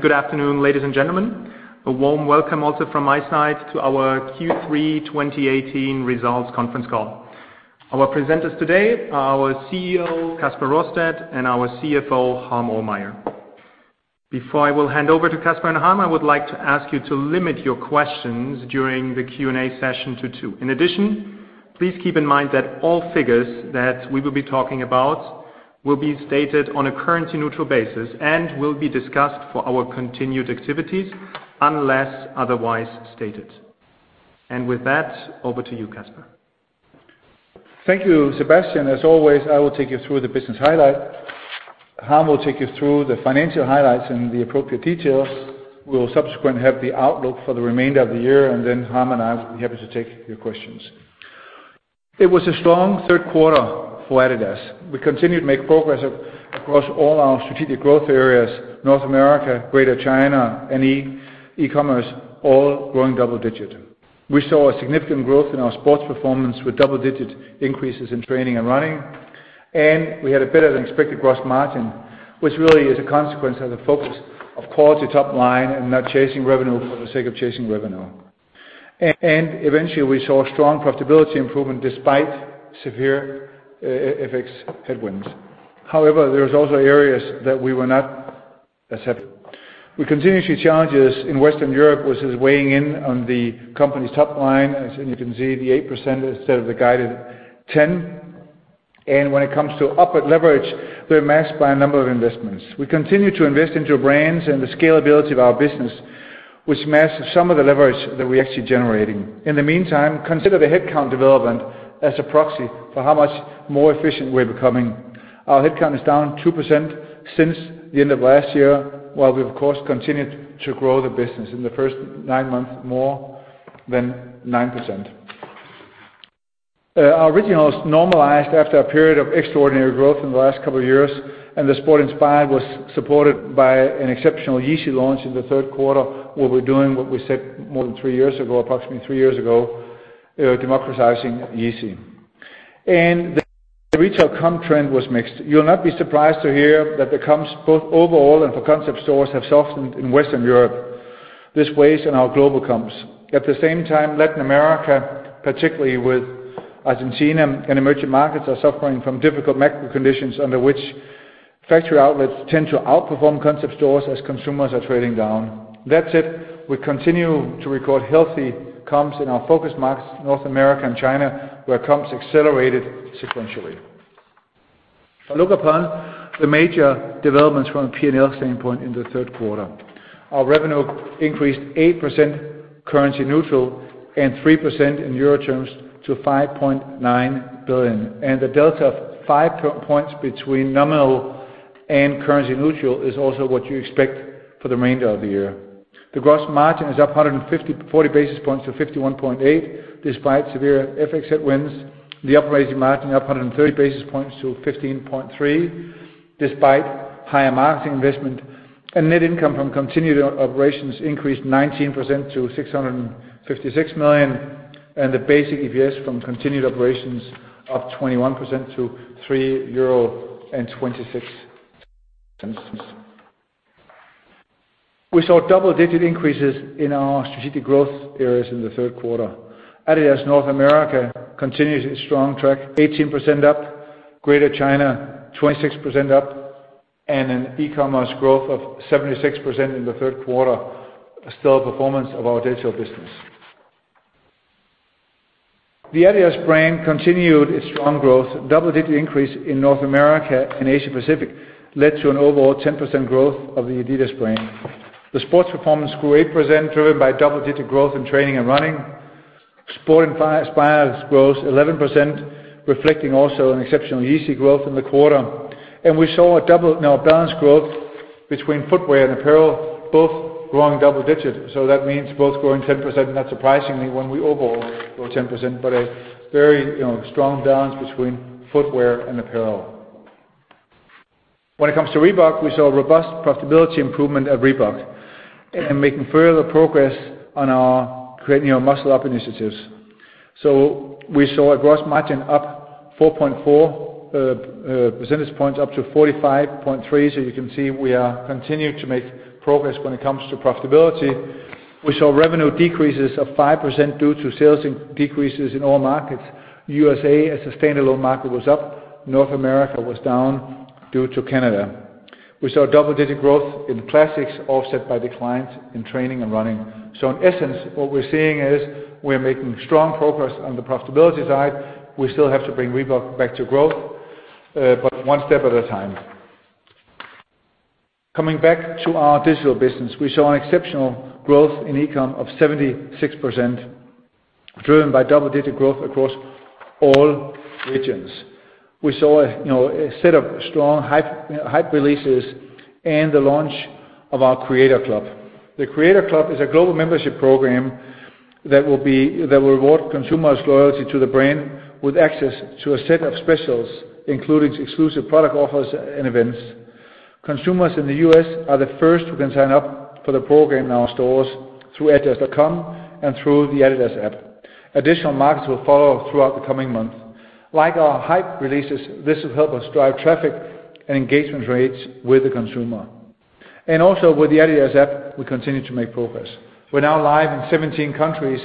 Good afternoon, ladies and gentlemen. A warm welcome also from my side to our Q3 2018 results conference call. Our presenters today are our CEO, Kasper Rorsted, and our CFO, Harm Ohlmeyer. Before I will hand over to Kasper and Harm, I would like to ask you to limit your questions during the Q&A session to two. In addition, please keep in mind that all figures that we will be talking about will be stated on a currency-neutral basis and will be discussed for our continued activities unless otherwise stated. With that, over to you, Kasper. Thank you, Sebastian. As always, I will take you through the business highlights. Harm will take you through the financial highlights and the appropriate details. We will subsequently have the outlook for the remainder of the year. Then Harm and I will be happy to take your questions. It was a strong third quarter for adidas. We continued to make progress across all our strategic growth areas: North America, Greater China, and e-commerce, all growing double digits. We saw a significant growth in our Sport Performance with double-digit increases in training and running, and we had a better-than-expected gross margin, which really is a consequence of the focus of quality top line and not chasing revenue for the sake of chasing revenue. Eventually, we saw strong profitability improvement despite severe FX headwinds. However, there is also areas that we were not as happy. We continue to see challenges in Western Europe, which is weighing in on the company's top line. As you can see, the 8% instead of the guided 10%. When it comes to operate leverage, we're masked by a number of investments. We continue to invest into our brands and the scalability of our business, which masks some of the leverage that we're actually generating. In the meantime, consider the headcount development as a proxy for how much more efficient we're becoming. Our headcount is down 2% since the end of last year, while we, of course, continued to grow the business in the first nine months more than 9%. Our Originals normalized after a period of extraordinary growth in the last couple of years. The Sport Inspired was supported by an exceptional Yeezy launch in the third quarter. What we're doing, what we said more than three years ago, approximately three years ago, democratizing Yeezy. The retail comp trend was mixed. You'll not be surprised to hear that the comps, both overall and for concept stores, have softened in Western Europe this ways and our global comps. At the same time, Latin America, particularly with Argentina and emerging markets, are suffering from difficult macro conditions under which factory outlets tend to outperform concept stores as consumers are trading down. That said, we continue to record healthy comps in our focus markets, North America and China, where comps accelerated sequentially. A look upon the major developments from a P&L standpoint in the third quarter. Our revenue increased 8% currency neutral and 3% in EUR terms to 5.9 billion. The delta of five points between nominal and currency neutral is also what you expect for the remainder of the year. Gross margin is up 140 basis points to 51.8% despite severe FX headwinds. Operating margin up 130 basis points to 15.3% despite higher marketing investment. Net income from continued operations increased 19% to 656 million, and basic EPS from continued operations up 21% to 3.26 euro. We saw double-digit increases in our strategic growth areas in the third quarter. adidas North America continues its strong track, 18% up, Greater China, 26% up, and e-commerce growth of 76% in the third quarter, a stellar performance of our digital business. adidas brand continued its strong growth. Double-digit increase in North America and Asia Pacific led to an overall 10% growth of the adidas brand. Sport Performance grew 8%, driven by double-digit growth in training and running. Sport Inspired grows 11%, reflecting also an exceptional Yeezy growth in the quarter. We saw a balance growth between footwear and apparel, both growing double digits. That means both growing 10%, not surprisingly when we overall grow 10%, but a very strong balance between footwear and apparel. When it comes to Reebok, we saw a robust profitability improvement at Reebok and making further progress on our Creating the New initiatives. We saw a gross margin up 4.4 percentage points up to 45.3%, so you can see we are continuing to make progress when it comes to profitability. We saw revenue decreases of 5% due to sales decreases in all markets. U.S.A. as a standalone market was up. North America was down due to Canada. We saw double-digit growth in classics offset by declines in training and running. In essence, what we're seeing is we're making strong progress on the profitability side. We still have to bring Reebok back to growth, one step at a time. Coming back to our digital business, we saw exceptional growth in e-com of 76%, driven by double-digit growth across all regions. We saw a set of strong hype releases and the launch of our Creators Club. Creators Club is a global membership program that will reward consumers' loyalty to the brand with access to a set of specials, including exclusive product offers and events. Consumers in the U.S. are the first who can sign up for the program in our stores through adidas.com and through the adidas app. Additional markets will follow throughout the coming months. Like our hype releases, this will help us drive traffic and engagement rates with the consumer. Also with the adidas app, we continue to make progress. We're now live in 17 countries,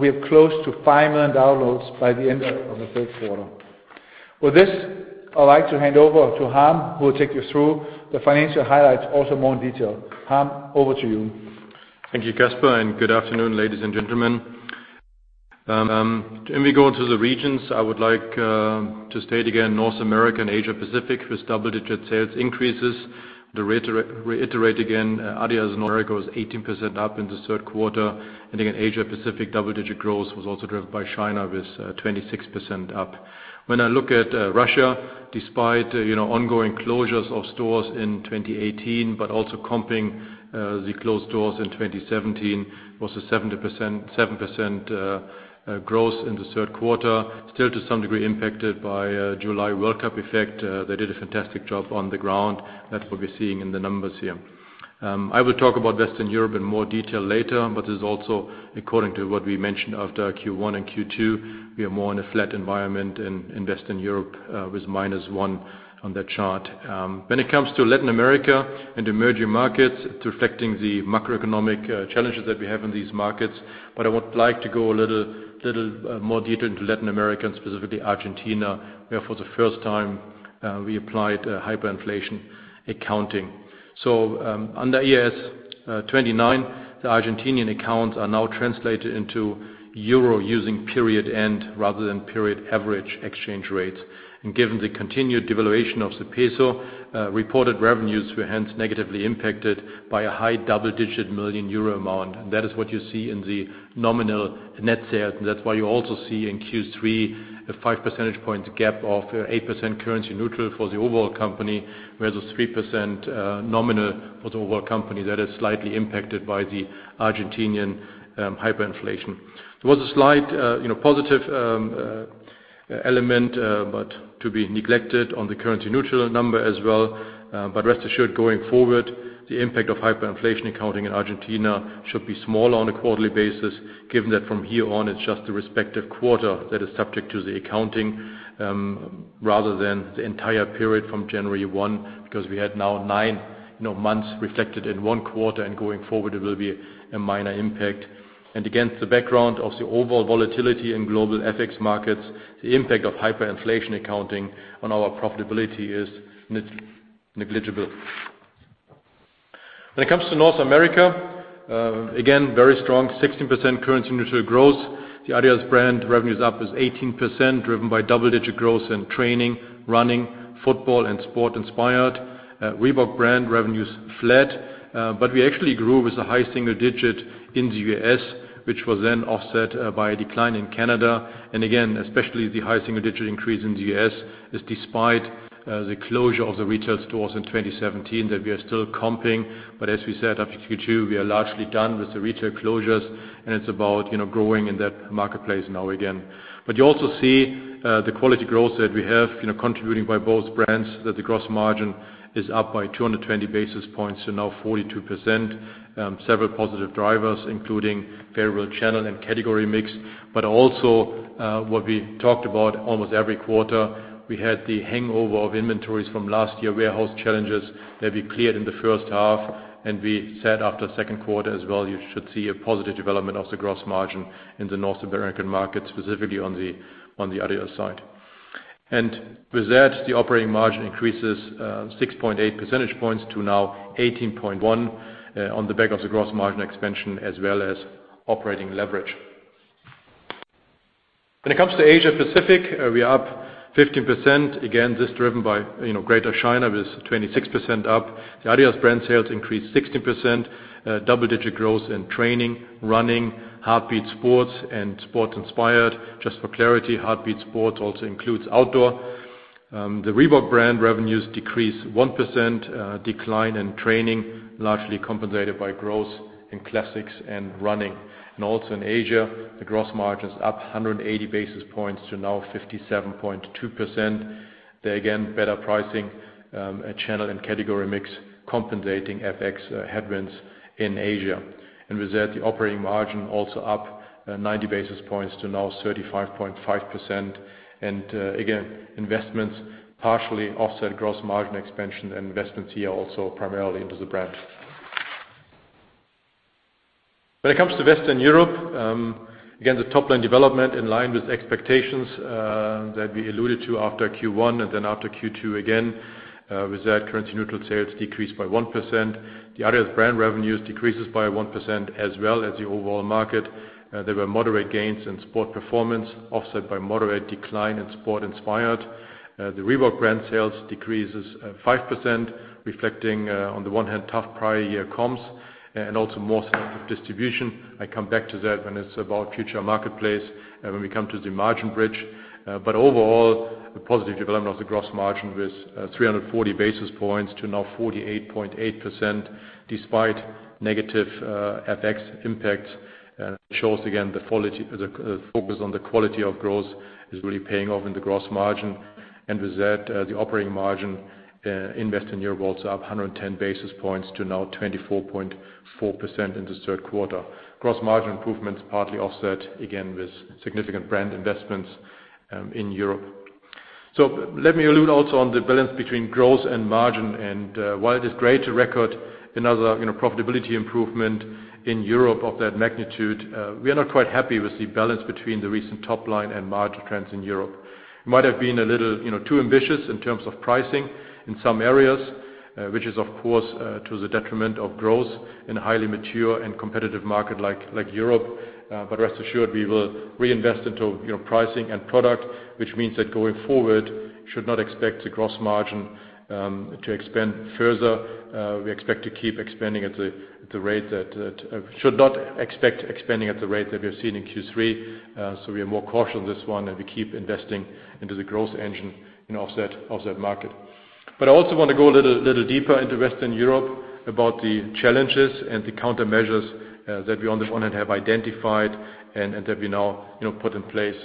we have close to 5 million downloads by the end of the third quarter. With this, I'd like to hand over to Harm, who will take you through the financial highlights also more in detail. Harm, over to you. Thank you, Kasper, and good afternoon, ladies and gentlemen. When we go into the regions, I would like to state again, North America and Asia Pacific with double-digit sales increases. To reiterate again, adidas in North America was 18% up in the third quarter. I think in Asia Pacific, double-digit growth was also driven by China, with 26% up. When I look at Russia, despite ongoing closures of stores in 2018, it is also comping the closed stores in 2017, was a 7% growth in the third quarter. Still, to some degree, impacted by July World Cup effect. They did a fantastic job on the ground. That's what we're seeing in the numbers here. I will talk about Western Europe in more detail later, it is also according to what we mentioned after Q1 and Q2. We are more in a flat environment in Western Europe, with minus one on that chart. When it comes to Latin America and emerging markets, it's reflecting the macroeconomic challenges that we have in these markets. I would like to go a little more detail into Latin America, and specifically Argentina, where for the first time, we applied hyperinflation accounting. On the IAS 29, the Argentinian accounts are now translated into EUR using period end rather than period average exchange rates. Given the continued devaluation of the peso, reported revenues were hence negatively impacted by a high double-digit million EUR amount. That is what you see in the nominal net sales. That's why you also see in Q3 a five percentage points gap of 8% currency neutral for the overall company, whereas a 3% nominal for the overall company. That is slightly impacted by the Argentinian hyperinflation. There was a slight positive element, to be neglected on the currency neutral number as well. Rest assured, going forward, the impact of hyperinflation accounting in Argentina should be small on a quarterly basis, given that from here on, it's just the respective quarter that is subject to the accounting rather than the entire period from January 1, because we had now nine months reflected in one quarter, and going forward it will be a minor impact. Against the background of the overall volatility in global FX markets, the impact of hyperinflation accounting on our profitability is negligible. When it comes to North America, again, very strong, 16% currency neutral growth. The adidas brand revenues up is 18%, driven by double-digit growth in training, running, football, and Sport Inspired. Reebok brand revenues flat. We actually grew with a high single digit in the U.S., which was then offset by a decline in Canada. Again, especially the high single-digit increase in the U.S., is despite the closure of the retail stores in 2017 that we are still comping. As we said after Q2, we are largely done with the retail closures, and it's about growing in that marketplace now again. You also see the quality growth that we have contributing by both brands, that the gross margin is up by 220 basis points to now 42%. Several positive drivers, including favorable channel and category mix. Also, what we talked about almost every quarter, we had the hangover of inventories from last year, warehouse challenges that we cleared in the first half. We said after second quarter as well, you should see a positive development of the gross margin in the North American market, specifically on the adidas side. With that, the operating margin increases 6.8 percentage points to now 18.1% on the back of the gross margin expansion as well as operating leverage. When it comes to Asia Pacific, we are up 15%. Again, this is driven by Greater China with 26% up. The adidas brand sales increased 16%, double-digit growth in training, running, heartbeat sports, and Sport Inspired. Just for clarity, Heartbeat Sports also includes outdoor. The Reebok brand revenues decrease 1%, a decline in training, largely compensated by growth in classics and running. Also in Asia, the gross margin is up 180 basis points to now 57.2%. There again, better pricing, channel and category mix compensating FX headwinds in Asia. With that, the operating margin also up 90 basis points to now 35.5%. Again, investments partially offset gross margin expansion and investments here also primarily into the brand. When it comes to Western Europe, again, the top-line development in line with expectations that we alluded to after Q1 and then after Q2, again. With that, currency neutral sales decreased by 1%. The adidas brand revenues decreases by 1% as well as the overall market. There were moderate gains in Sport Performance, offset by moderate decline in Sport Inspired. The Reebok brand sales decreases 5%, reflecting, on the one hand, tough prior year comps and also more selective distribution. I come back to that when it's about future marketplace, when we come to the margin bridge. Overall, a positive development of the gross margin with 340 basis points to now 48.8%, despite negative FX impacts. It shows again, the focus on the quality of growth is really paying off in the gross margin. With that, the operating margin in Western Europe was up 110 basis points to now 24.4% in the third quarter. Gross margin improvements partly offset again with significant brand investments in Europe. Let me allude also on the balance between growth and margin. While it is great to record another profitability improvement in Europe of that magnitude, we are not quite happy with the balance between the recent top line and margin trends in Europe. Might have been a little too ambitious in terms of pricing in some areas, which is, of course, to the detriment of growth in a highly mature and competitive market like Europe. Rest assured, we will reinvest into pricing and product, which means that going forward should not expect the gross margin to expand further. Should not expect expanding at the rate that we have seen in Q3. We are more cautious on this one, and we keep investing into the growth engine in offset market. I also want to go a little deeper into Western Europe about the challenges and the countermeasures that we on the front end have identified and that we now put in place.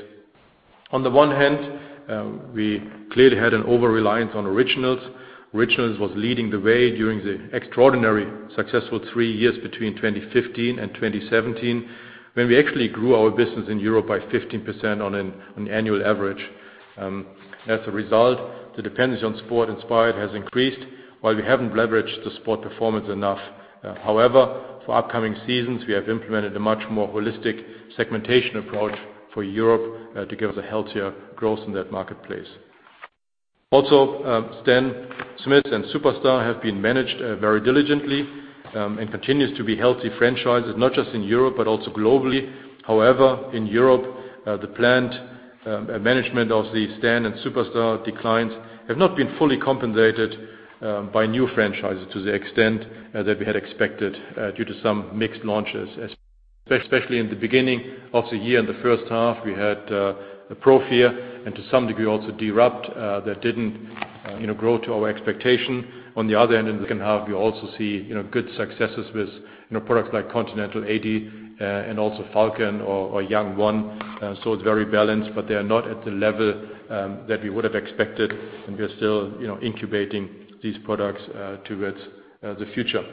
On the one hand, we clearly had an overreliance on Originals. Originals was leading the way during the extraordinarily successful three years between 2015 and 2017, when we actually grew our business in Europe by 15% on an annual average. As a result, the dependency on Sport Inspired has increased while we haven't leveraged the Sport Performance enough. For upcoming seasons, we have implemented a much more holistic segmentation approach for Europe to give us a healthier growth in that marketplace. Stan Smith and Superstar have been managed very diligently and continue to be healthy franchises, not just in Europe but also globally. In Europe, the planned management of the Stan and Superstar declines have not been fully compensated by new franchises to the extent that we had expected due to some mixed launches, especially in the beginning of the year. In the first half, we had a Prophere and to some degree also Deerupt that didn't grow to our expectation. On the other end, in the second half, we also see good successes with products like Continental 80 and also Falcon or Yung-1. It's very balanced, but they are not at the level that we would have expected, and we are still incubating these products towards the future.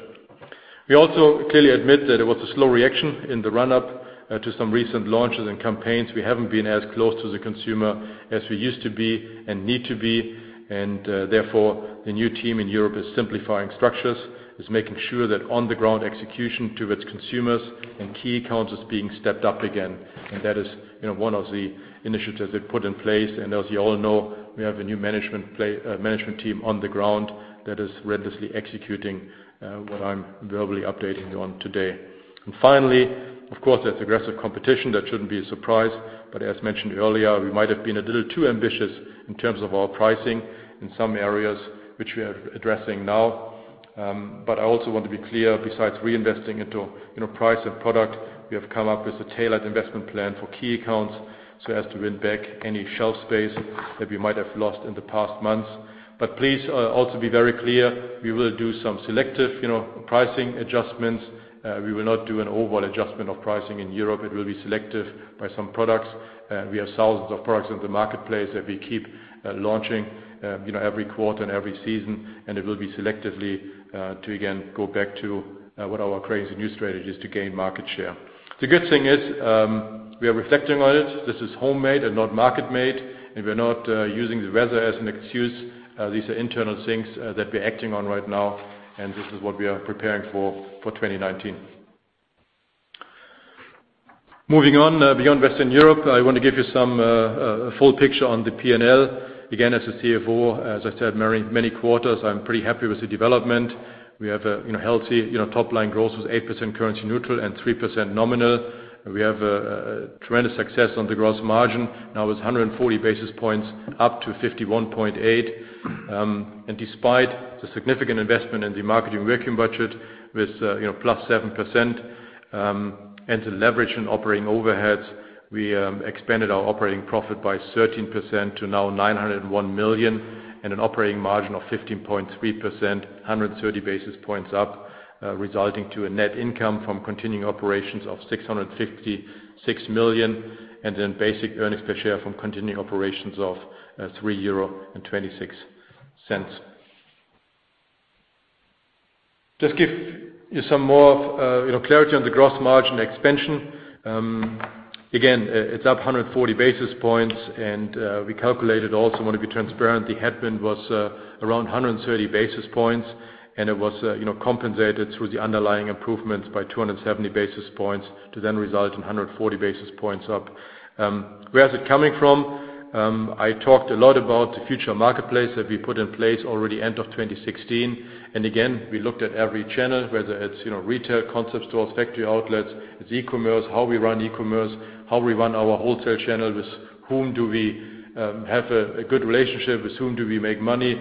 We also clearly admit that it was a slow reaction in the run-up to some recent launches and campaigns. We haven't been as close to the consumer as we used to be and need to be. Therefore, the new team in Europe is simplifying structures. It's making sure that on-the-ground execution towards consumers and key accounts is being stepped up again. That is one of the initiatives they put in place. As you all know, we have a new management team on the ground that is relentlessly executing what I'm verbally updating you on today. Finally, of course, there's aggressive competition. That shouldn't be a surprise, as mentioned earlier, we might have been a little too ambitious in terms of our pricing in some areas, which we are addressing now. I also want to be clear, besides reinvesting into price and product, we have come up with a tailored investment plan for key accounts so as to win back any shelf space that we might have lost in the past months. Please also be very clear, we will do some selective pricing adjustments. We will not do an overall adjustment of pricing in Europe. It will be selective by some products. We have thousands of products in the marketplace that we keep launching every quarter and every season. It will be selectively to again go back to what our Creating the New strategy is to gain market share. The good thing is we are reflecting on it. This is homemade and not market-made, we're not using the weather as an excuse. These are internal things that we're acting on right now, this is what we are preparing for 2019. Moving on beyond Western Europe, I want to give you some full picture on the P&L. Again, as a CFO, as I said, many quarters, I'm pretty happy with the development. We have a healthy top-line growth with 8% currency neutral and 3% nominal. We have a tremendous success on the gross margin, now with 140 basis points up to 51.8%. Despite the significant investment in the marketing working budget with +7% and the leverage in operating overheads, we expanded our operating profit by 13% to now 901 million and an operating margin of 15.3%, 130 basis points up, resulting to a net income from continuing operations of 656 million, and then basic earnings per share from continuing operations of 3.26 euro. Just give you some more clarity on the gross margin expansion. Again, it's up 140 basis points, and we calculated also, want to be transparent, the headwind was around 130 basis points, and it was compensated through the underlying improvements by 270 basis points to then result in 140 basis points up. Where is it coming from? I talked a lot about the future marketplace that we put in place already end of 2016. Again, we looked at every channel, whether it's retail concept stores, factory outlets, it's e-commerce, how we run e-commerce, how we run our wholesale channel, with whom do we have a good relationship, with whom do we make money.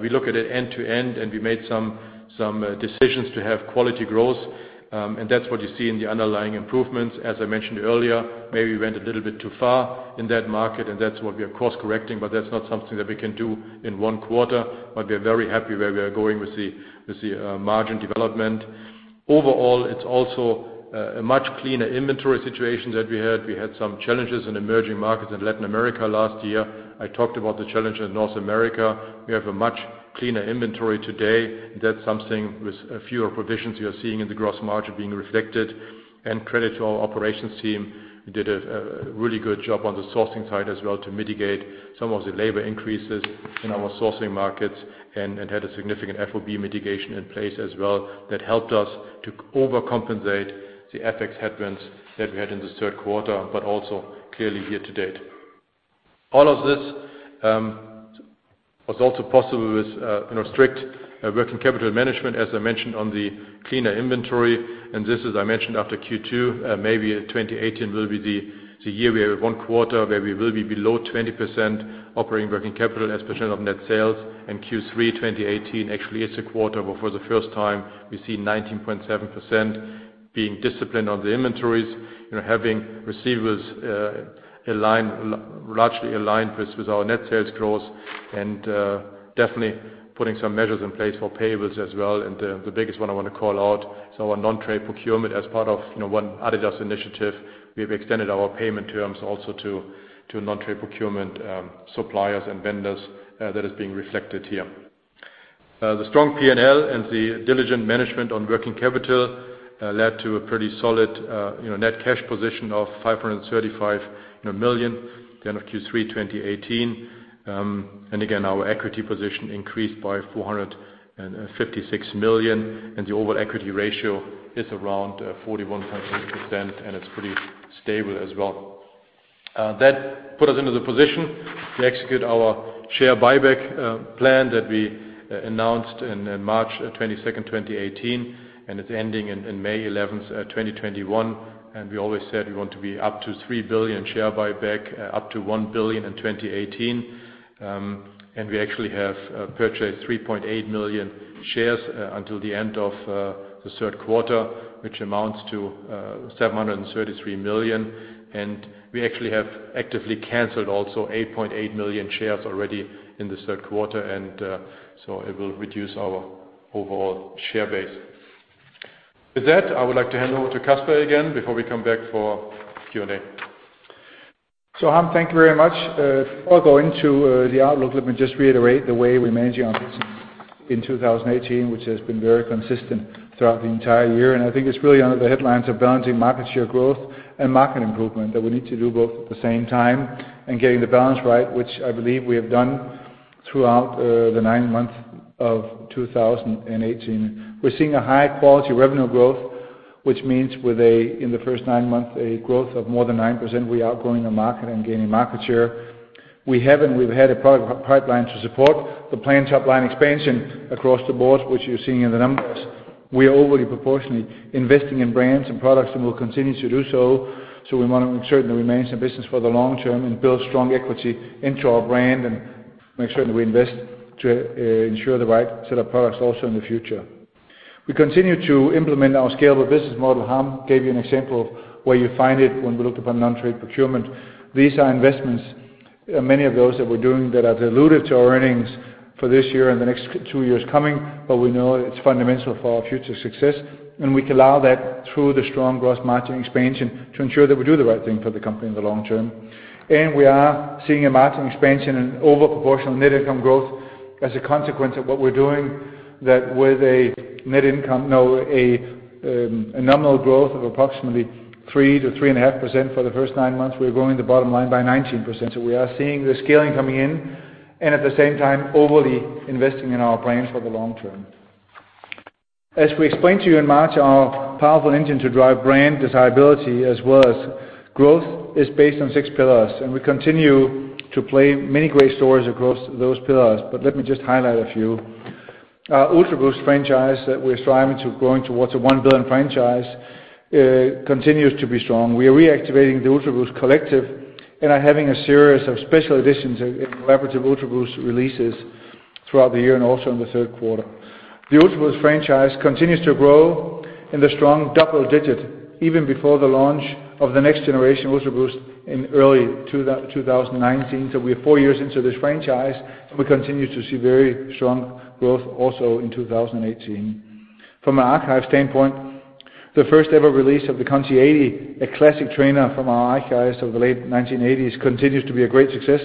We look at it end to end, and we made some decisions to have quality growth. That's what you see in the underlying improvements. As I mentioned earlier, maybe we went a little bit too far in that market, and that's what we are course correcting. That's not something that we can do in one quarter. We are very happy where we are going with the margin development. Overall, it's also a much cleaner inventory situation that we had. We had some challenges in emerging markets in Latin America last year. I talked about the challenge in North America. We have a much cleaner inventory today. That's something with fewer provisions you're seeing in the gross margin being reflected. Credit to our operations team, who did a really good job on the sourcing side as well to mitigate some of the labor increases in our sourcing markets and had a significant FOB mitigation in place as well that helped us to overcompensate the FX headwinds that we had in the third quarter, but also clearly year to date. All of this was also possible with strict working capital management, as I mentioned on the cleaner inventory, and this, as I mentioned after Q2, maybe 2018 will be the year we have one quarter where we will be below 20% operating working capital as a percent of net sales. Q3 2018 actually is a quarter where for the first time, we see 19.7% being disciplined on the inventories, having receivables largely aligned with our net sales growth, and definitely putting some measures in place for payables as well. The biggest one I want to call out, so our non-trade procurement as part of ONE adidas initiative, we have extended our payment terms also to non-trade procurement suppliers and vendors that is being reflected here. The strong P&L and the diligent management on working capital led to a pretty solid net cash position of 535 million at the end of Q3 2018. Again, our equity position increased by 456 million, and the overall equity ratio is around 41.6%, and it's pretty stable as well. That put us into the position to execute our share buyback plan that we announced in March 22nd, 2018, and it's ending in May 11th, 2021. We always said we want to be up to 3 billion share buyback, up to 1 billion in 2018. We actually have purchased 3.8 million shares until the end of the third quarter, which amounts to 733 million. We actually have actively canceled also 8.8 million shares already in the third quarter, so it will reduce our overall share base. With that, I would like to hand over to Kasper again before we come back for Q&A. Harm, thank you very much. Before I go into the outlook, let me just reiterate the way we're managing our business in 2018, which has been very consistent throughout the entire year. I think it's really under the headlines of balancing market share growth and market improvement, that we need to do both at the same time and getting the balance right, which I believe we have done throughout the nine months of 2018. We're seeing a high-quality revenue growth, which means with a, in the first nine months, a growth of more than 9%, we are growing the market and gaining market share. We've had a product pipeline to support the planned top-line expansion across the board, which you're seeing in the numbers. We are overly proportionally investing in brands and products, and we'll continue to do so. We want to make certain that we remain in the business for the long term and build strong equity into our brand and make sure that we invest to ensure the right set of products also in the future. We continue to implement our scalable business model. Harm gave you an example of where you find it when we looked upon non-trade procurement. These are investments, many of those that we're doing that are dilutive to our earnings for this year and the next two years coming, but we know it's fundamental for our future success. We allow that through the strong gross margin expansion to ensure that we do the right thing for the company in the long term. We are seeing a margin expansion and overproportional net income growth as a consequence of what we're doing, that with a nominal growth of approximately 3%-3.5% for the first nine months, we're growing the bottom line by 19%. We are seeing the scaling coming in, and at the same time, overly investing in our brands for the long term. As we explained to you in March, our powerful engine to drive brand desirability as well as growth is based on six pillars, and we continue to play many great stories across those pillars. Let me just highlight a few. Our Ultra Boost franchise that we're striving to growing towards a 1 billion franchise continues to be strong. We are reactivating the Ultra Boost collective and are having a series of special editions in collaborative Ultra Boost releases throughout the year and also in the third quarter. The Ultra Boost franchise continues to grow in the strong double-digit even before the launch of the next generation Ultra Boost in early 2019. So we're four years into this franchise, and we continue to see very strong growth also in 2018. From an archive standpoint, the first ever release of the Country AT, a classic trainer from our archives of the late 1980s, continues to be a great success.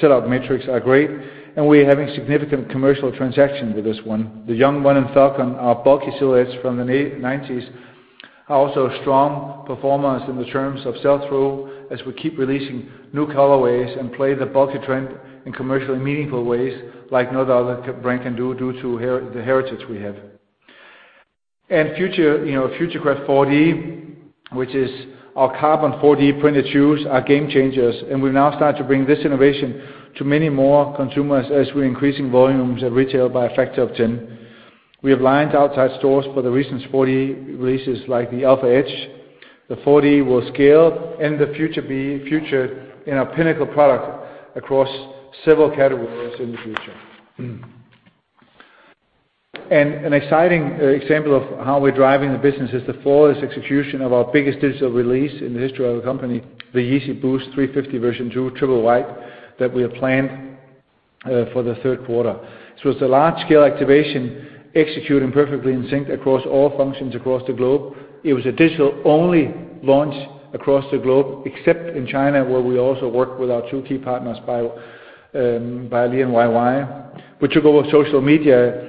Sell-out metrics are great, and we are having significant commercial transaction with this one. The Yung-1 and Falcon are bulky silhouettes from the '90s, are also strong performers in the terms of sell-through as we keep releasing new colorways and play the bulky trend in commercially meaningful ways like no other brand can do due to the heritage we have. Futurecraft 4D, which is our carbon 4D printed shoes, are game changers, and we now start to bring this innovation to many more consumers as we're increasing volumes at retail by a factor of 10. We have lined outside stores for the recent 4D releases like the Alphaedge. The 4D will scale and the future be featured in our pinnacle product across several categories in the future. An exciting example of how we're driving the business is the flawless execution of our biggest digital release in the history of the company, the Yeezy Boost 350 V2 Triple White that we have planned for the third quarter. It's a large-scale activation executing perfectly in sync across all functions across the globe. It was a digital-only launch across the globe, except in China, where we also worked with our two key partners, Belle International and YY. We took over social media,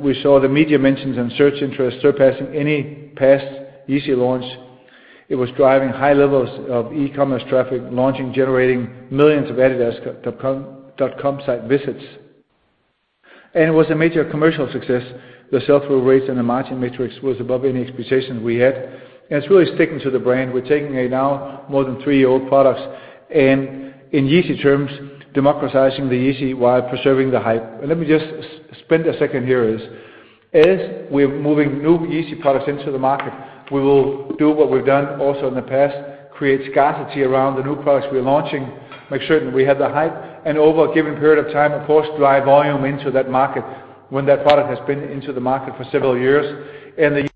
we saw the media mentions and search interest surpassing any past Yeezy launch. It was driving high levels of e-commerce traffic, launching, generating millions of adidas.com site visits. It was a major commercial success. The sell-through rates and the margin metrics was above any expectation we had, and it's really sticking to the brand. Let me just spend a second here is, as we're moving new Yeezy products into the market, we will do what we've done also in the past, create scarcity around the new products we're launching, make certain we have the hype, and over a given period of time, of course, drive volume into that market when that product has been into the market for several years. The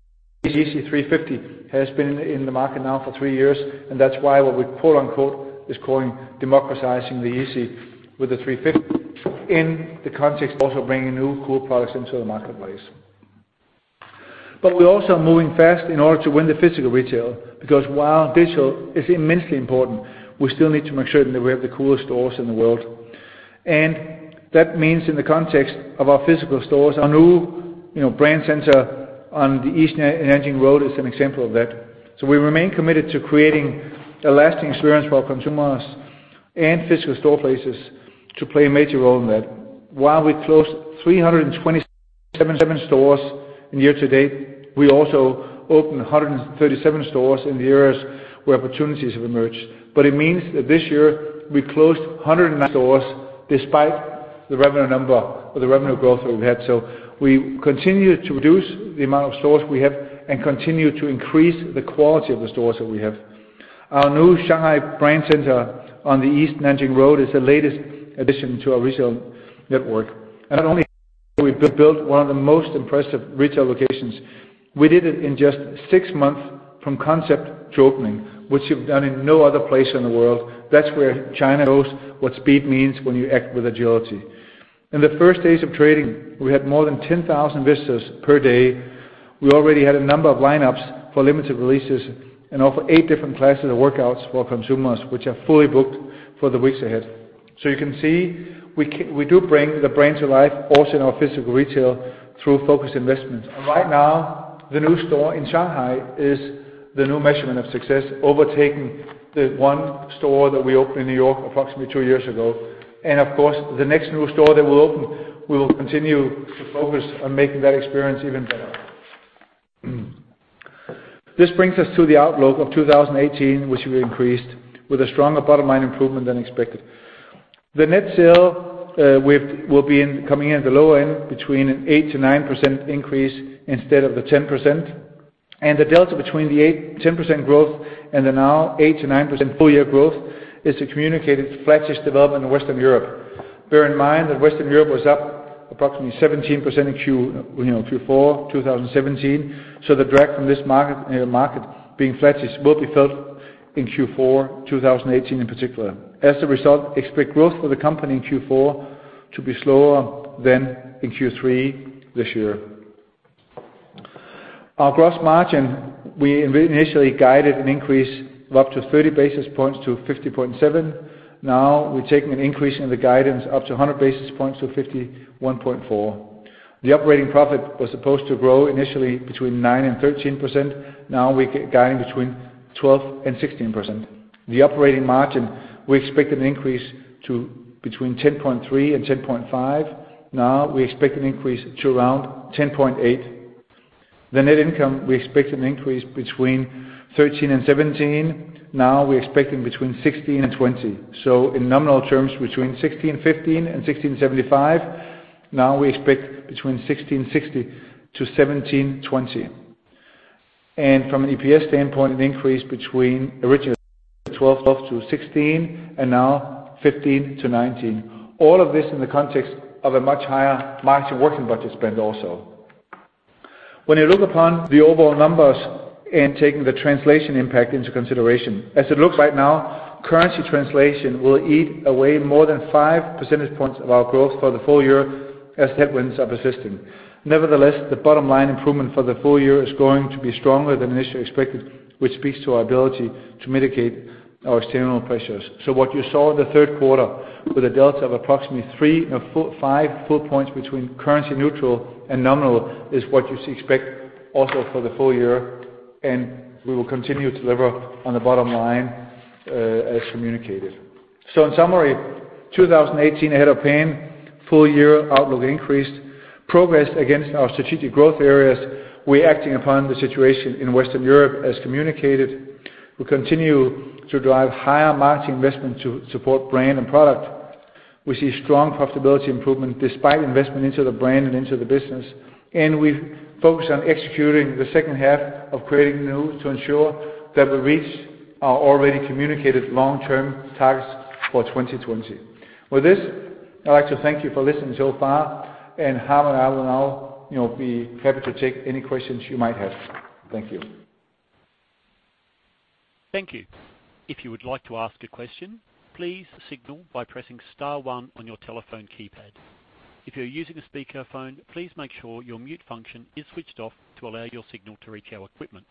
Yeezy 350 has been in the market now for three years, and that's why what we is calling democratizing the Yeezy with the 350 in the context of also bringing new cool products into the marketplace. We're also moving fast in order to win the physical retail, because while digital is immensely important, we still need to make certain that we have the coolest stores in the world. That means in the context of our physical stores, our new brand center on the East Nanjing Road is an example of that. We remain committed to creating a lasting experience for our consumers, and physical store places to play a major role in that. While we closed 327 stores in year to date, we also opened 137 stores in the areas where opportunities have emerged. It means that this year we closed 190 stores despite the revenue number or the revenue growth that we've had. We continue to reduce the amount of stores we have and continue to increase the quality of the stores that we have. Our new Shanghai brand center on the East Nanjing Road is the latest addition to our retail network. Not only we built one of the most impressive retail locations, we did it in just six months from concept to opening, which we've done in no other place in the world. That's where China knows what speed means when you act with agility. In the first days of trading, we had more than 10,000 visitors per day. We already had a number of lineups for limited releases and offer 8 different classes of workouts for consumers, which are fully booked for the weeks ahead. You can see, we do bring the brand to life also in our physical retail through focused investments. Right now, the new store in Shanghai is the new measurement of success, overtaking the one store that we opened in New York approximately two years ago. Of course, the next new store that we'll open, we will continue to focus on making that experience even better. This brings us to the outlook of 2018, which we increased with a stronger bottom-line improvement than expected. The net sale will be coming in at the lower end between an 8%-9% increase instead of the 10%, and the delta between the 10% growth and the now 8%-9% full-year growth is the communicated flattish development in Western Europe. Bear in mind that Western Europe was up approximately 17% in Q4 2017, the drag from this market being flattish will be felt in Q4 2018 in particular. As a result, expect growth for the company in Q4 to be slower than in Q3 this year. Our gross margin, we initially guided an increase of up to 30 basis points to 50.7%. Now we've taken an increase in the guidance up to 100 basis points to 51.4%. The operating profit was supposed to grow initially between 9% and 13%. Now we're guiding between 12% and 16%. The operating margin, we expect an increase to between 10.3% and 10.5%. Now we expect an increase to around 10.8%. The net income, we expect an increase between 13% and 17%. Now we're expecting between 16% and 20%. In nominal terms, between 16.15 and 16.75. Now we expect between 16.60 to 17.20. From an EPS standpoint, an increase between original 12% to 16%, and now 15% to 19%. All of this in the context of a much higher margin working budget spend also. When you look upon the overall numbers and taking the translation impact into consideration, as it looks right now, currency translation will eat away more than five percentage points of our growth for the full year as headwinds are persisting. Nevertheless, the bottom-line improvement for the full year is going to be stronger than initially expected, which speaks to our ability to mitigate our external pressures. What you saw in the third quarter with a delta of approximately three, no, five full points between currency neutral and nominal is what you expect also for the full year, and we will continue to deliver on the bottom line as communicated. In summary, 2018 ahead of plan, full year outlook increased, progress against our strategic growth areas. We're acting upon the situation in Western Europe as communicated. We continue to drive higher margin investment to support brand and product. We see strong profitability improvement despite investment into the brand and into the business, and we focus on executing the second half of Creating the New to ensure that we reach our already communicated long-term targets for 2020. With this, I'd like to thank you for listening so far, and Harm and I will now be happy to take any questions you might have. Thank you. Thank you. If you would like to ask a question, please signal by pressing star one on your telephone keypad. If you're using a speakerphone, please make sure your mute function is switched off to allow your signal to reach our equipment.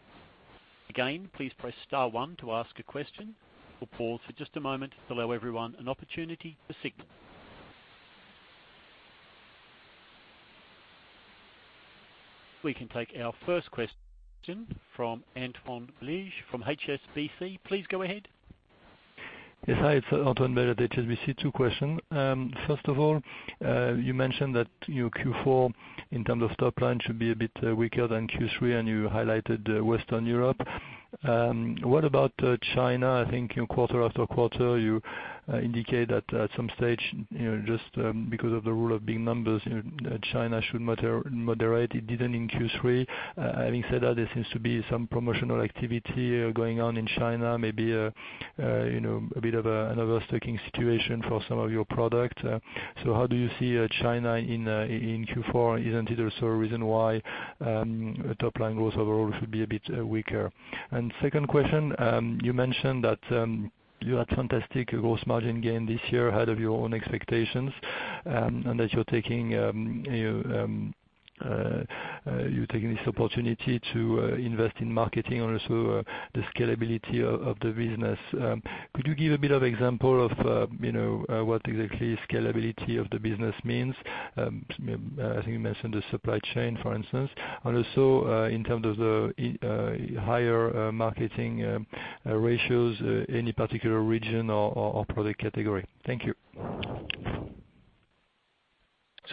Again, please press star one to ask a question. We'll pause for just a moment to allow everyone an opportunity to signal. We can take our first question from Antoine Belge from HSBC. Please go ahead. Yes. Hi, it's Antoine Belge at HSBC. Two questions. First of all, you mentioned that your Q4, in terms of top line, should be a bit weaker than Q3, and you highlighted Western Europe. What about China? I think quarter after quarter, you indicate that at some stage, just because of the rule of big numbers, China should moderate. It didn't in Q3. Having said that, there seems to be some promotional activity going on in China, maybe a bit of another sticking situation for some of your product. How do you see China in Q4? Is it also a reason why top line growth overall should be a bit weaker? Second question, you mentioned that you had fantastic gross margin gain this year, ahead of your own expectations, and that you're taking this opportunity to invest in marketing on also the scalability of the business. Could you give a bit of example of what exactly scalability of the business means? I think you mentioned the supply chain, for instance, and also, in terms of the higher marketing ratios, any particular region or product category. Thank you.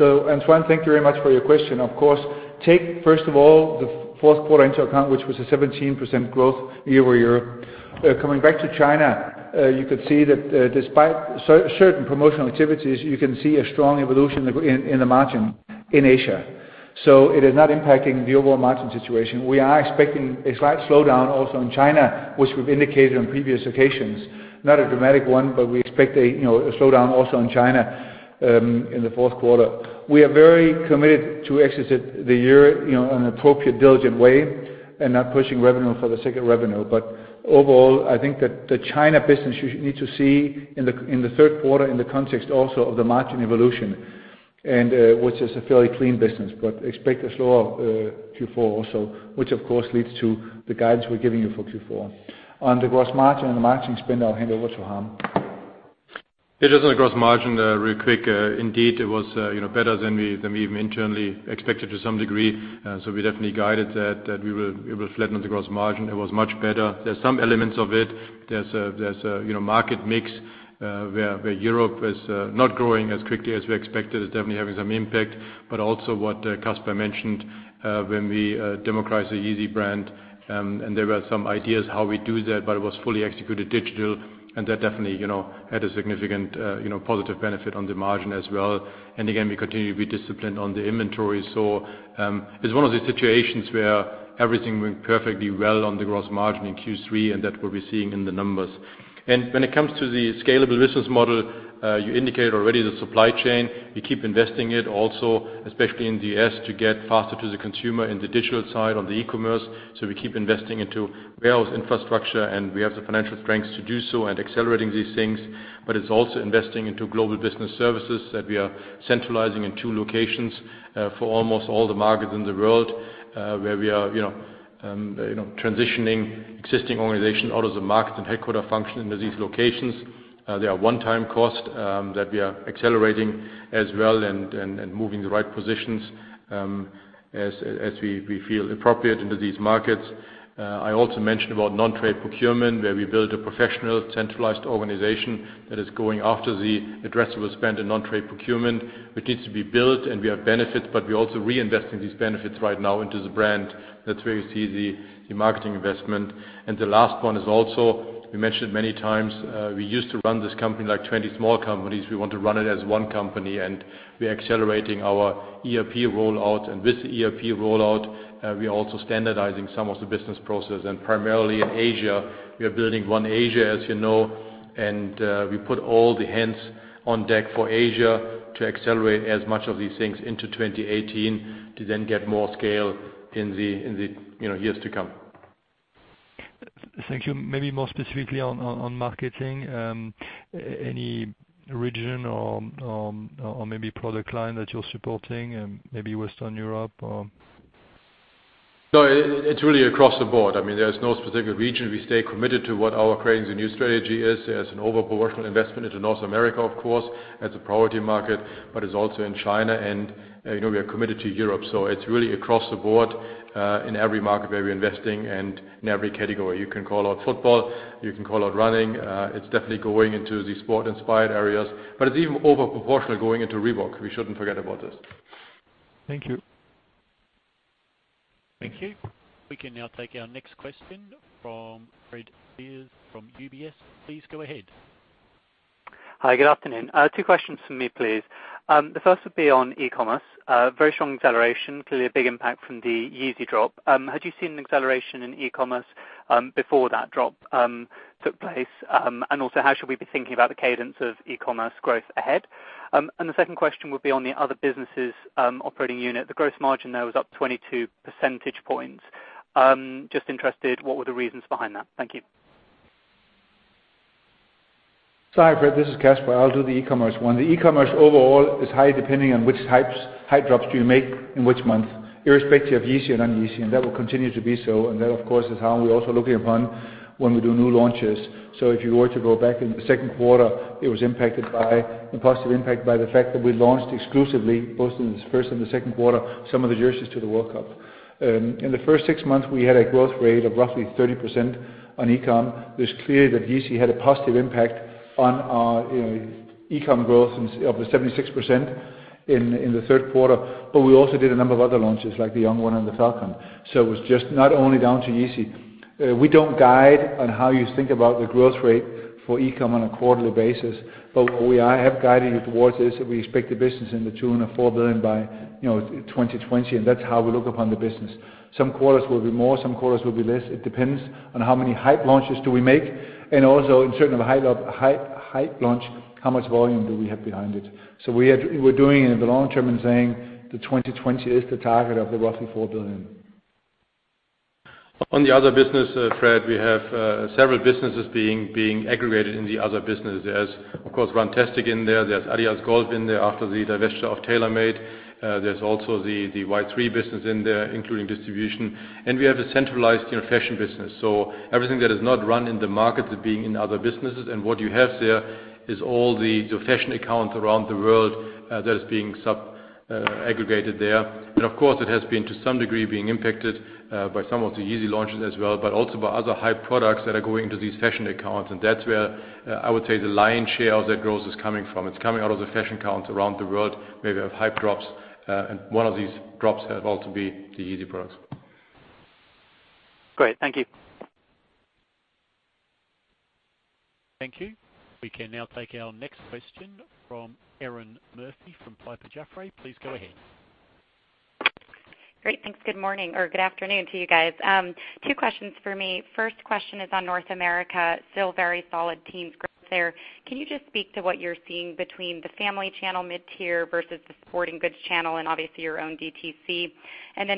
Antoine, thank you very much for your question. Of course, take, first of all, the fourth quarter into account, which was a 17% growth year-over-year. Coming back to China, you could see that despite certain promotional activities, you can see a strong evolution in the margin in Asia. It is not impacting the overall margin situation. We are expecting a slight slowdown also in China, which we've indicated on previous occasions. Not a dramatic one, but we expect a slowdown also in China in the fourth quarter. We are very committed to exiting the year in an appropriate, diligent way and not pushing revenue for the sake of revenue. Overall, I think that the China business, you need to see in the third quarter, in the context also of the margin evolution, and which is a fairly clean business. Expect a slow Q4 also, which of course leads to the guidance we're giving you for Q4. On the gross margin and the margin spend, I'll hand over to Harm. Yeah, just on the gross margin, real quick. Indeed, it was better than we even internally expected to some degree. We definitely guided that we will flatten the gross margin. It was much better. There's some elements of it. There's a market mix, where Europe is not growing as quickly as we expected. It's definitely having some impact. Also what Kasper mentioned, when we democratized the Yeezy brand, and there were some ideas how we do that, but it was fully executed digital, and that definitely had a significant positive benefit on the margin as well. Again, we continue to be disciplined on the inventory. It's one of the situations where everything went perfectly well on the gross margin in Q3, and that we'll be seeing in the numbers. When it comes to the scalable business model, you indicate already the supply chain. We keep investing it also, especially in the U.S., to get faster to the consumer in the digital side on the e-commerce. We keep investing into warehouse infrastructure, and we have the financial strengths to do so and accelerating these things. It's also investing into Global Business Services that we are centralizing in two locations for almost all the markets in the world, where we are transitioning existing organization out of the market and headquarter function into these locations. They are one-time cost that we are accelerating as well and moving the right positions, as we feel appropriate into these markets. I also mentioned about non-trade procurement, where we build a professional centralized organization that is going after the addressable spend in non-trade procurement. It needs to be built, and we have benefits, but we're also reinvesting these benefits right now into the brand. That's where you see the marketing investment. The last one is also, we mentioned many times, we used to run this company like 20 small companies. We want to run it as one company, we're accelerating our ERP rollout. With the ERP rollout, we are also standardizing some of the business process. Primarily in Asia, we are building One Asia, as you know, we put all the hands on deck for Asia to accelerate as much of these things into 2018 to then get more scale in the years to come. Thank you. Maybe more specifically on marketing, any region or maybe product line that you're supporting, maybe Western Europe or? No, it's really across the board. There's no specific region. We stay committed to what our Creating the New strategy is as an over proportional investment into North America, of course, as a priority market. It's also in China, we are committed to Europe. It's really across the board, in every market where we're investing and in every category. You can call out football, you can call out running. It's definitely going into the Sport Inspired areas, it's even over proportional going into Reebok. We shouldn't forget about this. Thank you. Thank you. We can now take our next question from Fred Speirs from UBS. Please go ahead. Hi, good afternoon. Two questions from me, please. The first would be on e-commerce. Very strong acceleration, clearly a big impact from the Yeezy drop. Had you seen an acceleration in e-commerce before that drop took place? Also, how should we be thinking about the cadence of e-commerce growth ahead? The second question would be on the other businesses operating unit. The gross margin there was up 22 percentage points. Just interested, what were the reasons behind that? Thank you. Sorry, Fred, this is Kasper. I'll do the e-commerce one. The e-commerce overall is high, depending on which hype drops you make in which month, irrespective of Yeezy and non-Yeezy, and that will continue to be so. That, of course, is how we're also looking upon when we do new launches. If you were to go back in the second quarter, it was impacted by the positive impact by the fact that we launched exclusively, both in the first and the second quarter, some of the jerseys to the World Cup. In the first six months, we had a growth rate of roughly 30% on e-com. It's clear that Yeezy had a positive impact on our e-com growth of the 76% in the third quarter. We also did a number of other launches, like the Yung-1 and the Falcon. It was just not only down to Yeezy. We don't guide on how you think about the growth rate for e-com on a quarterly basis. What we have guided you towards is that we expect the business in the 2 and the 4 billion by 2020, and that's how we look upon the business. Some quarters will be more, some quarters will be less. It depends on how many hype launches do we make, and also in certain hype launch, how much volume do we have behind it. We're doing it in the long term and saying the 2020 is the target of the roughly 4 billion. On the other business, Fred, we have several businesses being aggregated in the other business. There's, of course, Runtastic in there. There's adidas Golf in there after the divesture of TaylorMade. There's also the Y-3 business in there, including distribution. We have a centralized fashion business. Everything that is not run in the markets are being in other businesses, and what you have there is all the fashion accounts around the world that is being sub-aggregated there. Of course, it has been to some degree being impacted by some of the Yeezy launches as well, but also by other hype products that are going into these fashion accounts. That's where I would say the lion's share of that growth is coming from. It's coming out of the fashion accounts around the world, maybe of hype drops, and one of these drops have also been the Yeezy products. Great. Thank you. Thank you. We can now take our next question from Erinn Murphy from Piper Jaffray. Please go ahead. Great. Thanks. Good morning or good afternoon to you guys. Two questions for me. First question is on North America. Still very solid teens growth there. Can you just speak to what you're seeing between the family channel mid-tier versus the sporting goods channel and obviously your own DTC?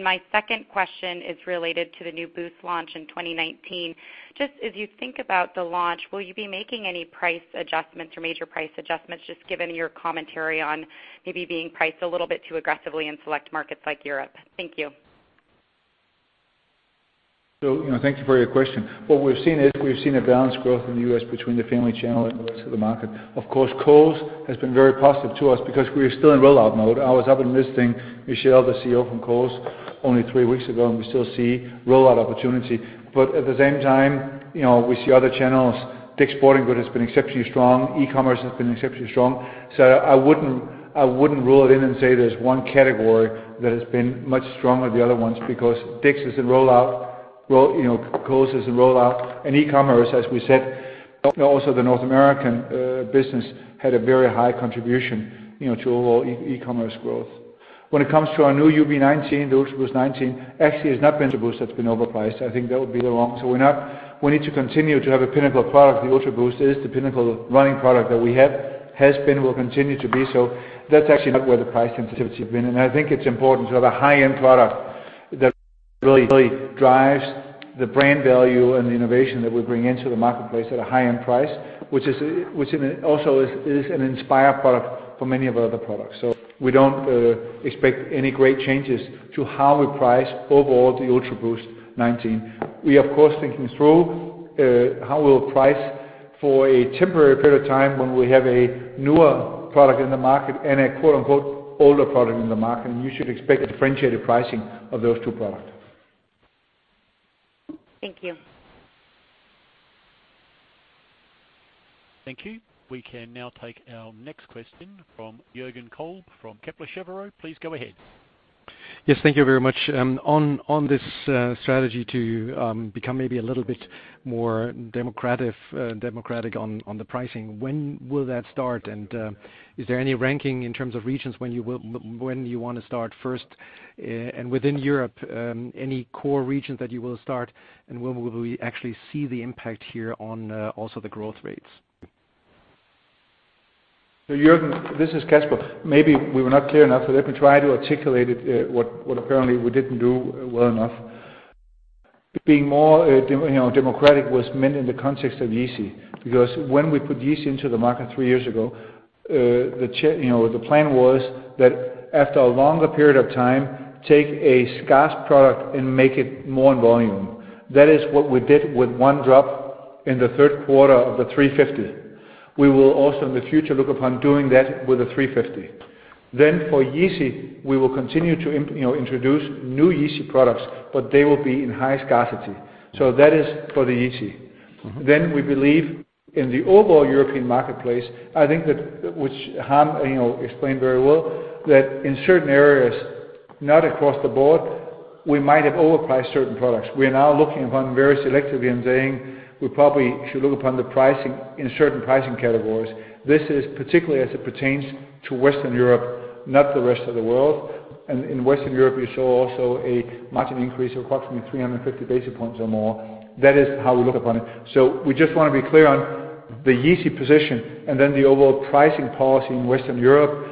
My second question is related to the new Boost launch in 2019. Just as you think about the launch, will you be making any price adjustments or major price adjustments, just given your commentary on maybe being priced a little bit too aggressively in select markets like Europe? Thank you. Thank you for your question. What we've seen is we've seen a balanced growth in the U.S. between the family channel and the rest of the market. Of course, Kohl's has been very positive to us because we are still in rollout mode. I was up and visiting Michelle, the CEO from Kohl's, only three weeks ago, and we still see rollout opportunity. At the same time, we see other channels. Dick's Sporting Goods has been exceptionally strong. E-commerce has been exceptionally strong. I wouldn't rule it in and say there's one category that has been much stronger than the other ones because Dick's is in rollout, Kohl's is in rollout, and e-commerce, as we said, also the North American business had a very high contribution to overall e-commerce growth. When it comes to our new UB19, the UltraBOOST 19, actually, it's not been the Boost that's been overpriced. I think that would be the wrong. We need to continue to have a pinnacle product. The UltraBOOST is the pinnacle running product that we have, has been, will continue to be. That's actually not where the price sensitivity been. I think it's important to have a high-end product that really drives the brand value and the innovation that we bring into the marketplace at a high-end price, which also is an inspire product for many of our other products. We don't expect any great changes to how we price overall the UltraBOOST 19. We, of course, thinking through how we'll price for a temporary period of time when we have a newer product in the market and a quote-unquote, "older" product in the market. You should expect a differentiated pricing of those two products. Thank you. Thank you. We can now take our next question from Jürgen Kolb from Kepler Cheuvreux. Please go ahead. Thank you very much. On this strategy to become maybe a little bit more democratic on the pricing, when will that start? Is there any ranking in terms of regions when you want to start first? Within Europe, any core region that you will start, and when will we actually see the impact here on also the growth rates? Jürgen, this is Kasper. Maybe we were not clear enough. Let me try to articulate it, what apparently we did not do well enough. Being more democratic was meant in the context of Yeezy, because when we put Yeezy into the market three years ago, the plan was that after a longer period of time, take a scarce product and make it more in volume. That is what we did with one drop in the third quarter of the 350. We will also in the future look upon doing that with the 350. For Yeezy, we will continue to introduce new Yeezy products, but they will be in high scarcity. That is for the Yeezy. We believe in the overall European marketplace, I think that which Harm explained very well, that in certain areas, not across the board, we might have overpriced certain products. We are now looking upon very selectively and saying we probably should look upon the pricing in certain pricing categories. This is particularly as it pertains to Western Europe, not the rest of the world. In Western Europe, you saw also a margin increase of approximately 350 basis points or more. That is how we look upon it. We just want to be clear on the Yeezy position and the overall pricing policy in Western Europe.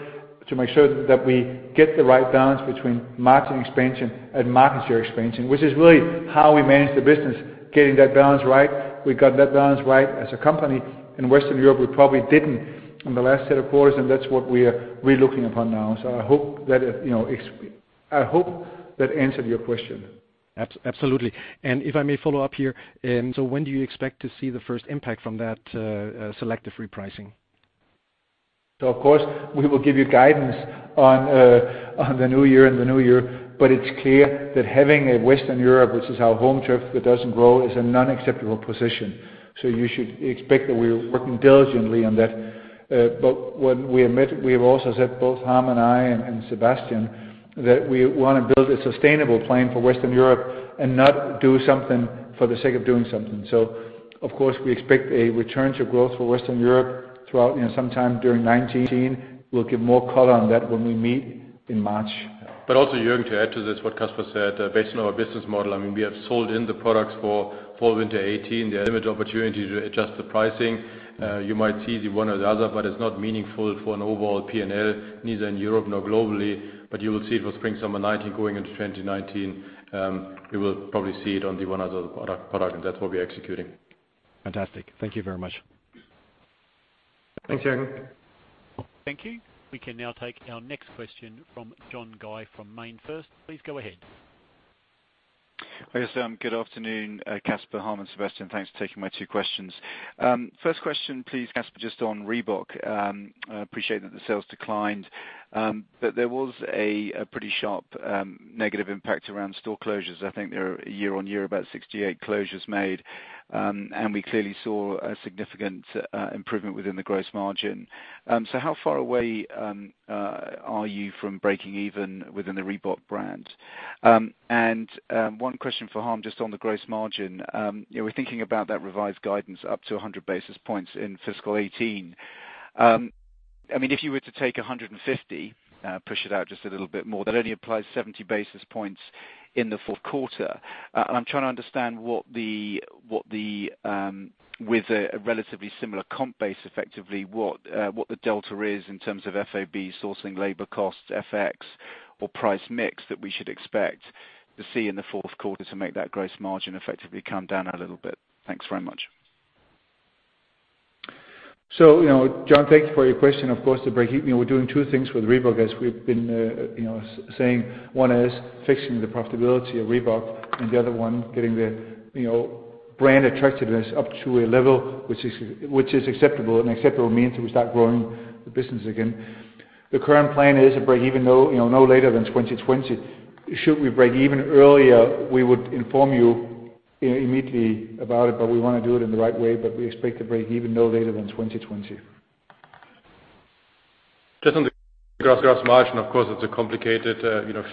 To make sure that we get the right balance between margin expansion and market share expansion, which is really how we manage the business, getting that balance right. We got that balance right as a company. In Western Europe we probably did not in the last set of quarters, and that is what we are really looking upon now. I hope that answered your question. Absolutely. If I may follow up here. When do you expect to see the first impact from that selective repricing? Of course, we will give you guidance on the new year, but it is clear that having a Western Europe, which is our home turf, that does not grow, is a non-acceptable position. You should expect that we are working diligently on that. We have also said, both Harm and I, and Sebastian, that we want to build a sustainable plan for Western Europe and not do something for the sake of doing something. Of course, we expect a return to growth for Western Europe sometime during 2019. We will give more color on that when we meet in March. Also, Jürgen, to add to this what Kasper said, based on our business model, we have sold in the products for Fall/Winter 2018. There are limited opportunities to adjust the pricing. You might see the one or the other, but it's not meaningful for an overall P&L, neither in Europe nor globally, but you will see it with Spring/Summer 2019 going into 2019. We will probably see it on the one or the other product, and that's what we're executing. Fantastic. Thank you very much. Thanks, Jürgen. Thank you. We can now take our next question from John Guy from MainFirst. Please go ahead. Yes. Good afternoon, Kasper, Harm, and Sebastian. Thanks for taking my two questions. First question, please, Kasper, just on Reebok. I appreciate that the sales declined, but there was a pretty sharp negative impact around store closures. I think there are, year on year, about 68 closures made. We clearly saw a significant improvement within the gross margin. How far away are you from breaking even within the Reebok brand? One question for Harm, just on the gross margin. We're thinking about that revised guidance up to 100 basis points in fiscal 2018. If you were to take 150, push it out just a little bit more, that only applies 70 basis points in the fourth quarter. I'm trying to understand with a relatively similar comp base, effectively, what the delta is in terms of FOB sourcing, labor costs, FX, or price mix that we should expect to see in the fourth quarter to make that gross margin effectively come down a little bit. Thanks very much. John, thank you for your question. Of course, to break even, we're doing two things with Reebok as we've been saying. One is fixing the profitability of Reebok, and the other one, getting the brand attractiveness up to a level which is acceptable, and acceptable means we start growing the business again. The current plan is to break even no later than 2020. Should we break even earlier, we would inform you immediately about it, but we want to do it in the right way. We expect to break even no later than 2020. Just on the gross margin, of course, it's a complicated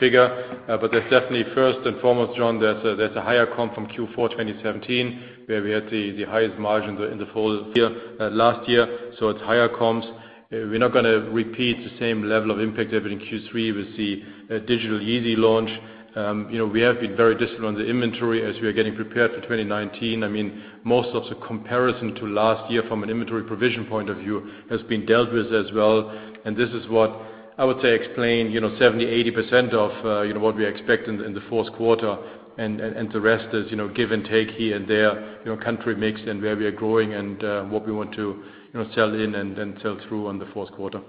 figure. There's definitely first and foremost, John, there's a higher comp from Q4 2017, where we had the highest margins in the full year last year. It's higher comps. We're not going to repeat the same level of impact we had in Q3 with the digital Yeezy launch. We have been very disciplined on the inventory as we are getting prepared for 2019. Most of the comparison to last year from an inventory provision point of view has been dealt with as well. This is what I would say explain 70, 80% of what we expect in the fourth quarter. The rest is give and take here and there, country mix and where we are growing and what we want to sell in and sell through on the fourth quarter.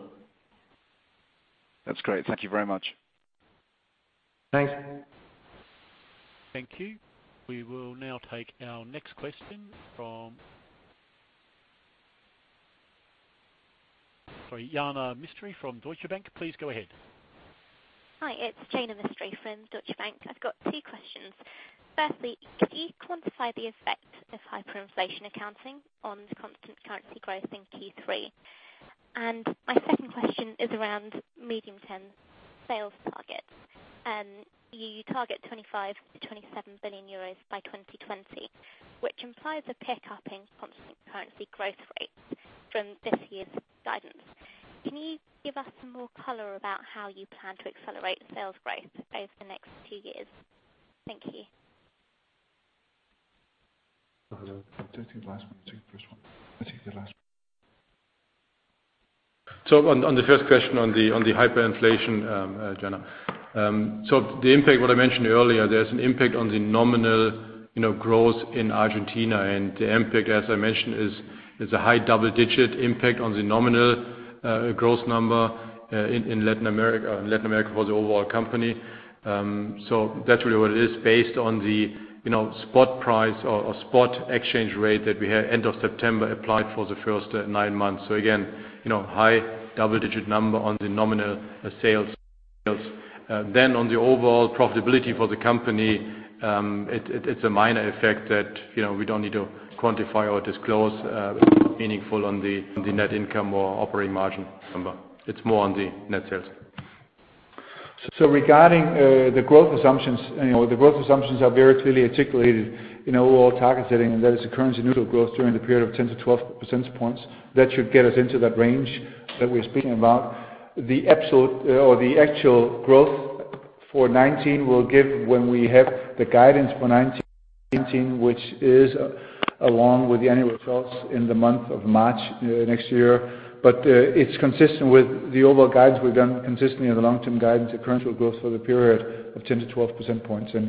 That's great. Thank you very much. Thanks. Thank you. We will now take our next question from Jaina Mistry from Deutsche Bank. Please go ahead. Hi. It's Jaina Mistry from Deutsche Bank. I've got two questions. Firstly, could you quantify the effect of hyperinflation accounting on the constant currency growth in Q3? My second question is around medium-term sales targets. You target 25 billion-27 billion euros by 2020, which implies a pickup in constant currency growth rates from this year's guidance. Can you give us some more color about how you plan to accelerate sales growth over the next two years? Thank you. I'll take the last one. You take the first one. I take the last one. On the first question on the hyperinflation, Jaina. The impact, what I mentioned earlier, there's an impact on the nominal growth in Argentina, and the impact, as I mentioned, is a high double-digit impact on the nominal growth number in Latin America for the overall company. That's really what it is based on the spot price or spot exchange rate that we had end of September applied for the first nine months. Again, high double-digit number on the nominal sales. On the overall profitability for the company, it's a minor effect that we don't need to quantify or disclose meaningful on the net income or operating margin number. It's more on the net sales. Regarding the growth assumptions, the growth assumptions are very clearly articulated in our overall target setting, and that is the currency-neutral growth during the period of 10-12 percentage points. That should get us into that range that we're speaking about. The actual growth for 2019, we'll give when we have the guidance for 2019, which is along with the annual results in the month of March next year. It's consistent with the overall guidance we've done consistently in the long-term guidance of currency growth for the period of 10-12% points. As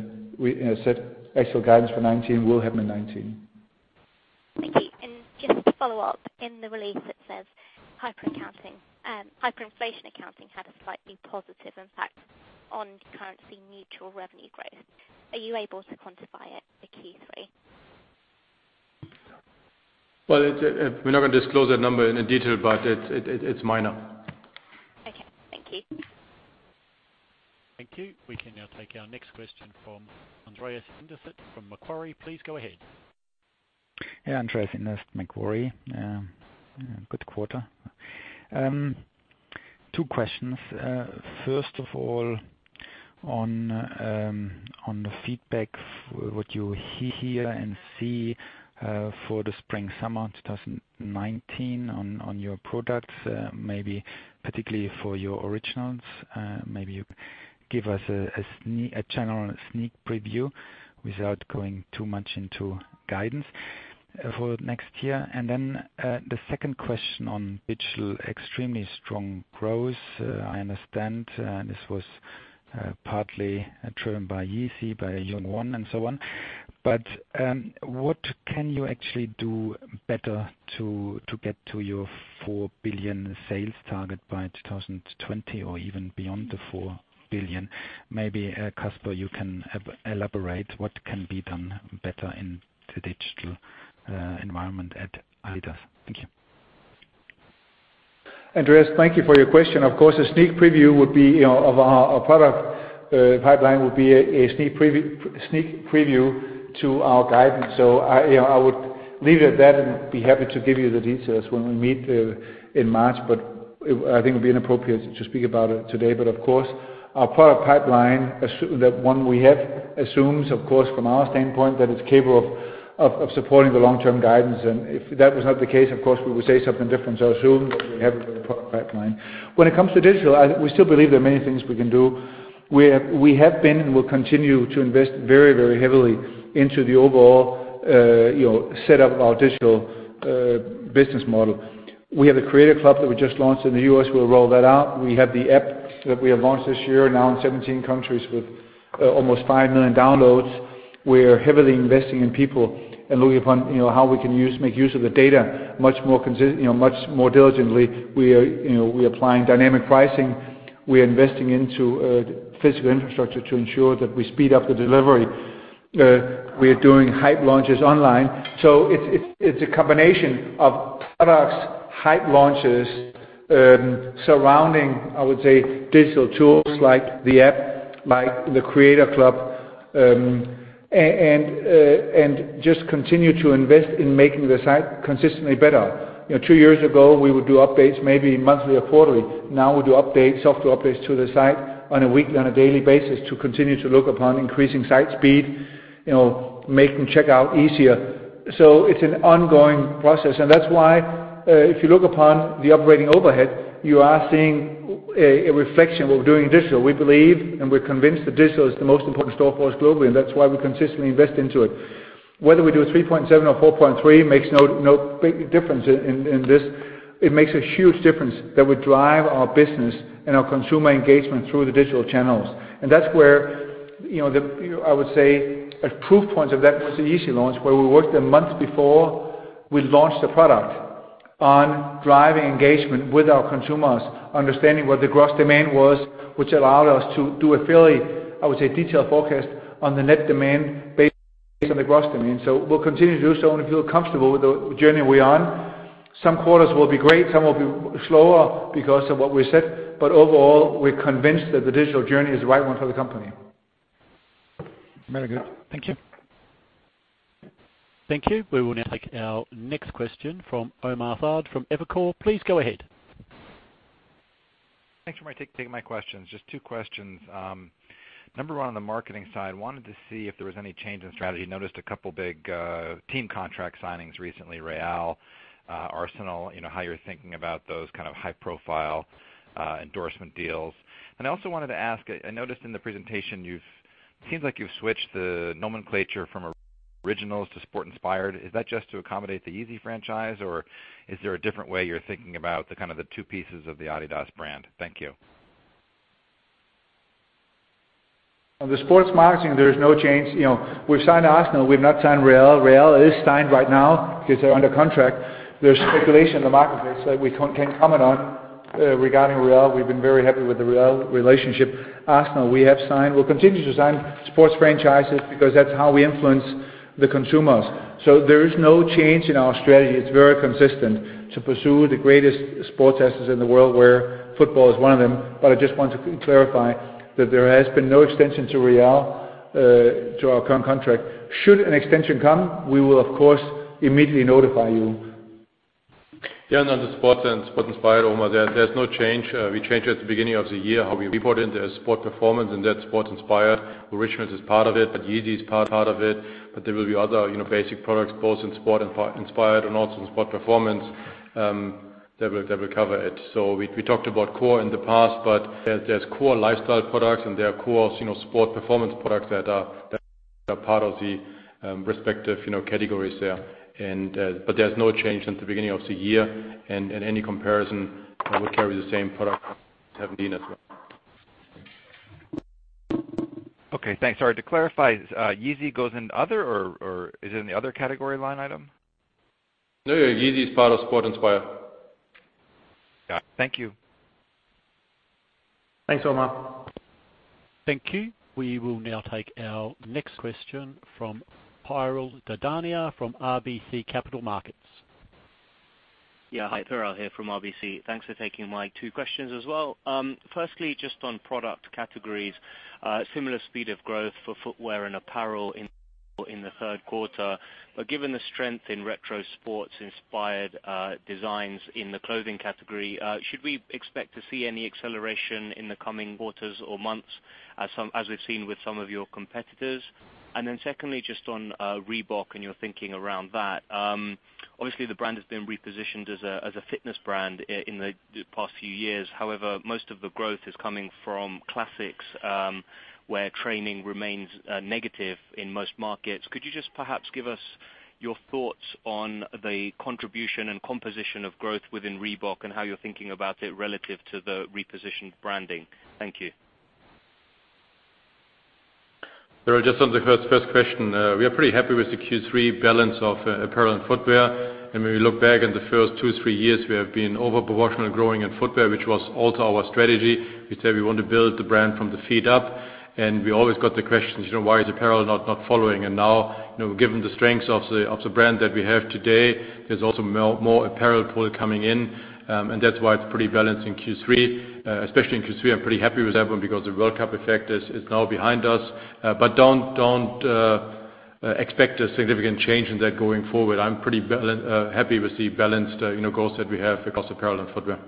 I said, actual guidance for 2019 will happen in 2019. Thank you. Just to follow up, in the release it says hyperinflation accounting had a slightly positive impact on currency-neutral revenue growth. Are you able to quantify it, the Q3? We're not going to disclose that number in detail, it's minor. Okay. Thank you. Thank you. We can now take our next question from Andreas Inderst from Macquarie. Please go ahead. Yeah. Andreas Inderst, Macquarie. Good quarter. Two questions. First of all, on the feedback, what you hear and see for the spring/summer 2019 on your products, maybe particularly for your Originals. Maybe you give us a general sneak preview without going too much into guidance for next year. The second question on digital, extremely strong growth. I understand this was partly driven by Yeezy, by Yung-1 and so on. What can you actually do better to get to your 4 billion sales target by 2020 or even beyond the 4 billion? Kasper, you can elaborate what can be done better in the digital environment at adidas. Thank you. Andreas, thank you for your question. Of course, a sneak preview of our product pipeline would be a sneak preview to our guidance. I would leave it at that and be happy to give you the details when we meet in March, but I think it would be inappropriate to speak about it today. Of course, our product pipeline, the one we have assumes, of course, from our standpoint, that it's capable of supporting the long-term guidance. If that was not the case, of course, we would say something different. I assume that we have it with the product pipeline. When it comes to digital, we still believe there are many things we can do. We have been and will continue to invest very heavily into the overall setup of our digital business model. We have the Creators Club that we just launched in the U.S. We'll roll that out. We have the app that we have launched this year, now in 17 countries with almost 5 million downloads. We are heavily investing in people and looking upon how we can make use of the data much more diligently. We are applying dynamic pricing. We are investing into physical infrastructure to ensure that we speed up the delivery. We are doing hype launches online. It's a combination of products, hype launches, surrounding, I would say, digital tools like the app, like the Creators Club, and just continue to invest in making the site consistently better. Two years ago, we would do updates maybe monthly or quarterly. Now we do software updates to the site on a weekly, on a daily basis to continue to look upon increasing site speed, making checkout easier. It's an ongoing process, and that's why if you look upon the operating overhead, you are seeing a reflection of what we're doing in digital. We believe and we're convinced that digital is the most important store for us globally, and that's why we consistently invest into it. Whether we do a 3.7 or 4.3, makes no big difference in this. It makes a huge difference that we drive our business and our consumer engagement through the digital channels. And that's where, I would say, a proof point of that was the Yeezy launch, where we worked a month before we launched the product on driving engagement with our consumers, understanding what the gross demand was, which allowed us to do a fairly, I would say, detailed forecast on the net demand based on the gross demand. We'll continue to do so and feel comfortable with the journey we're on. Some quarters will be great, some will be slower because of what we said, but overall, we're convinced that the digital journey is the right one for the company. Very good. Thank you. Thank you. We will now take our next question from Omar Saad from Evercore. Please go ahead. Thanks for taking my questions. Just two questions. Number one, on the marketing side, wanted to see if there was any change in strategy. Noticed a couple big team contract signings recently, Real, Arsenal, how you're thinking about those kind of high-profile endorsement deals. I also wanted to ask, I noticed in the presentation, seems like you've switched the nomenclature from Originals to Sport Inspired. Is that just to accommodate the Yeezy franchise, or is there a different way you're thinking about the two pieces of the adidas brand? Thank you. On the sports marketing, there is no change. We've signed Arsenal, we've not signed Real. Real is signed right now because they're under contract. There's speculation in the marketplace that we can't comment on regarding Real. We've been very happy with the Real relationship. Arsenal, we have signed. We'll continue to sign sports franchises because that's how we influence the consumers. There is no change in our strategy. It's very consistent to pursue the greatest sports assets in the world, where football is one of them. I just want to clarify that there has been no extension to Real to our current contract. Should an extension come, we will of course immediately notify you. On the sports and Sport Inspired, Omar, there's no change. We changed at the beginning of the year how we report it as Sport Performance and that's Sport Inspired. Originals is part of it, and Yeezy is part of it. There will be other basic products both in Sport Inspired and also in Sport Performance. That will cover it. We talked about core in the past, but there's core lifestyle products and there are core Sport Performance products that are part of the respective categories there. There's no change from the beginning of the year, and any comparison will carry the same product as have been as well. Okay, thanks. Sorry, to clarify, Yeezy goes in other, or is it in the other category line item? No, Yeezy is part of Sport Inspired. Got it. Thank you. Thanks, Omar. Thank you. We will now take our next question from Piral Dadhania from RBC Capital Markets. Yeah. Hi, Piral here from RBC. Thanks for taking my two questions as well. Firstly, just on product categories, similar speed of growth for footwear and apparel in the third quarter. Given the strength in retro Sport Inspired designs in the clothing category, should we expect to see any acceleration in the coming quarters or months as we've seen with some of your competitors? Secondly, just on Reebok and your thinking around that. Obviously, the brand has been repositioned as a fitness brand in the past few years. However, most of the growth is coming from classics, where training remains negative in most markets. Could you just perhaps give us your thoughts on the contribution and composition of growth within Reebok and how you're thinking about it relative to the repositioned branding? Thank you. Piral, just on the first question, we are pretty happy with the Q3 balance of apparel and footwear. When we look back in the first two, three years, we have been over-proportionately growing in footwear, which was also our strategy. We said we want to build the brand from the feet up, and we always got the questions, why is apparel not following? Now, given the strengths of the brand that we have today, there's also more apparel pull coming in, and that's why it's pretty balanced in Q3. Especially in Q3, I'm pretty happy with that one because the World Cup effect is now behind us. Don't expect a significant change in that going forward. I'm pretty happy with the balanced growth that we have across apparel and footwear.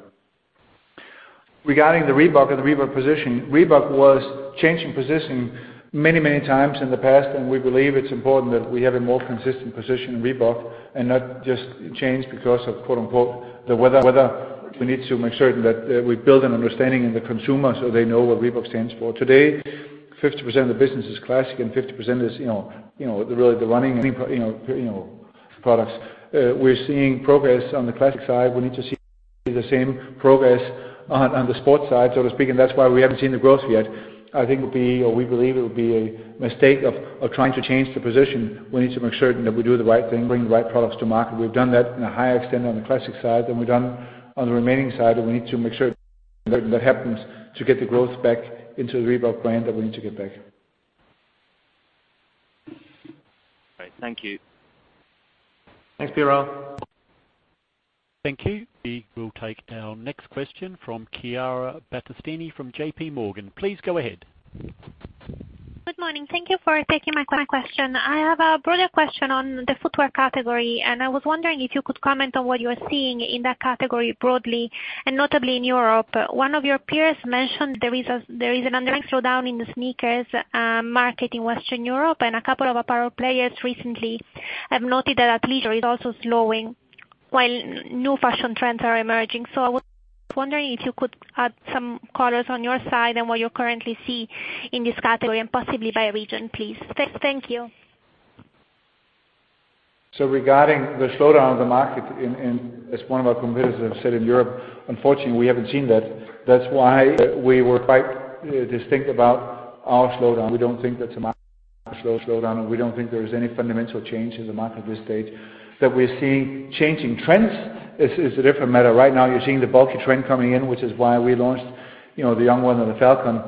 Regarding the Reebok and the Reebok position, Reebok was changing position many times in the past. We believe it's important that we have a more consistent position in Reebok and not just change because of quote-unquote, "the weather." We need to make certain that we build an understanding in the consumer so they know what Reebok stands for. Today, 50% of the business is classic and 50% is really the running products. We're seeing progress on the classic side. We need to see the same progress on the sports side, so to speak, and that's why we haven't seen the growth yet. We believe it would be a mistake of trying to change the position. We need to make certain that we do the right thing, bring the right products to market. We've done that in a higher extent on the classic side than we've done on the remaining side, and we need to make certain that happens to get the growth back into the Reebok brand that we need to get back. Great. Thank you. Thanks, Piral. Thank you. We will take our next question from Chiara Battistini from JPMorgan. Please go ahead. Good morning. Thank you for taking my question. I have a broader question on the footwear category, and I was wondering if you could comment on what you are seeing in that category broadly and notably in Europe. One of your peers mentioned there is an underlying slowdown in the sneakers market in Western Europe and a couple of apparel players recently have noted that athleisure is also slowing while new fashion trends are emerging. I was wondering if you could add some colors on your side and what you currently see in this category and possibly by region, please. Thank you. Regarding the slowdown of the market in, as one of our competitors have said in Europe, unfortunately, we haven't seen that. That's why we were quite distinct about our slowdown. We don't think that's a market slowdown, and we don't think there is any fundamental change in the market at this stage. That we're seeing changing trends is a different matter. Right now, you're seeing the bulky trend coming in, which is why we launched the Yung-1 and the Falcon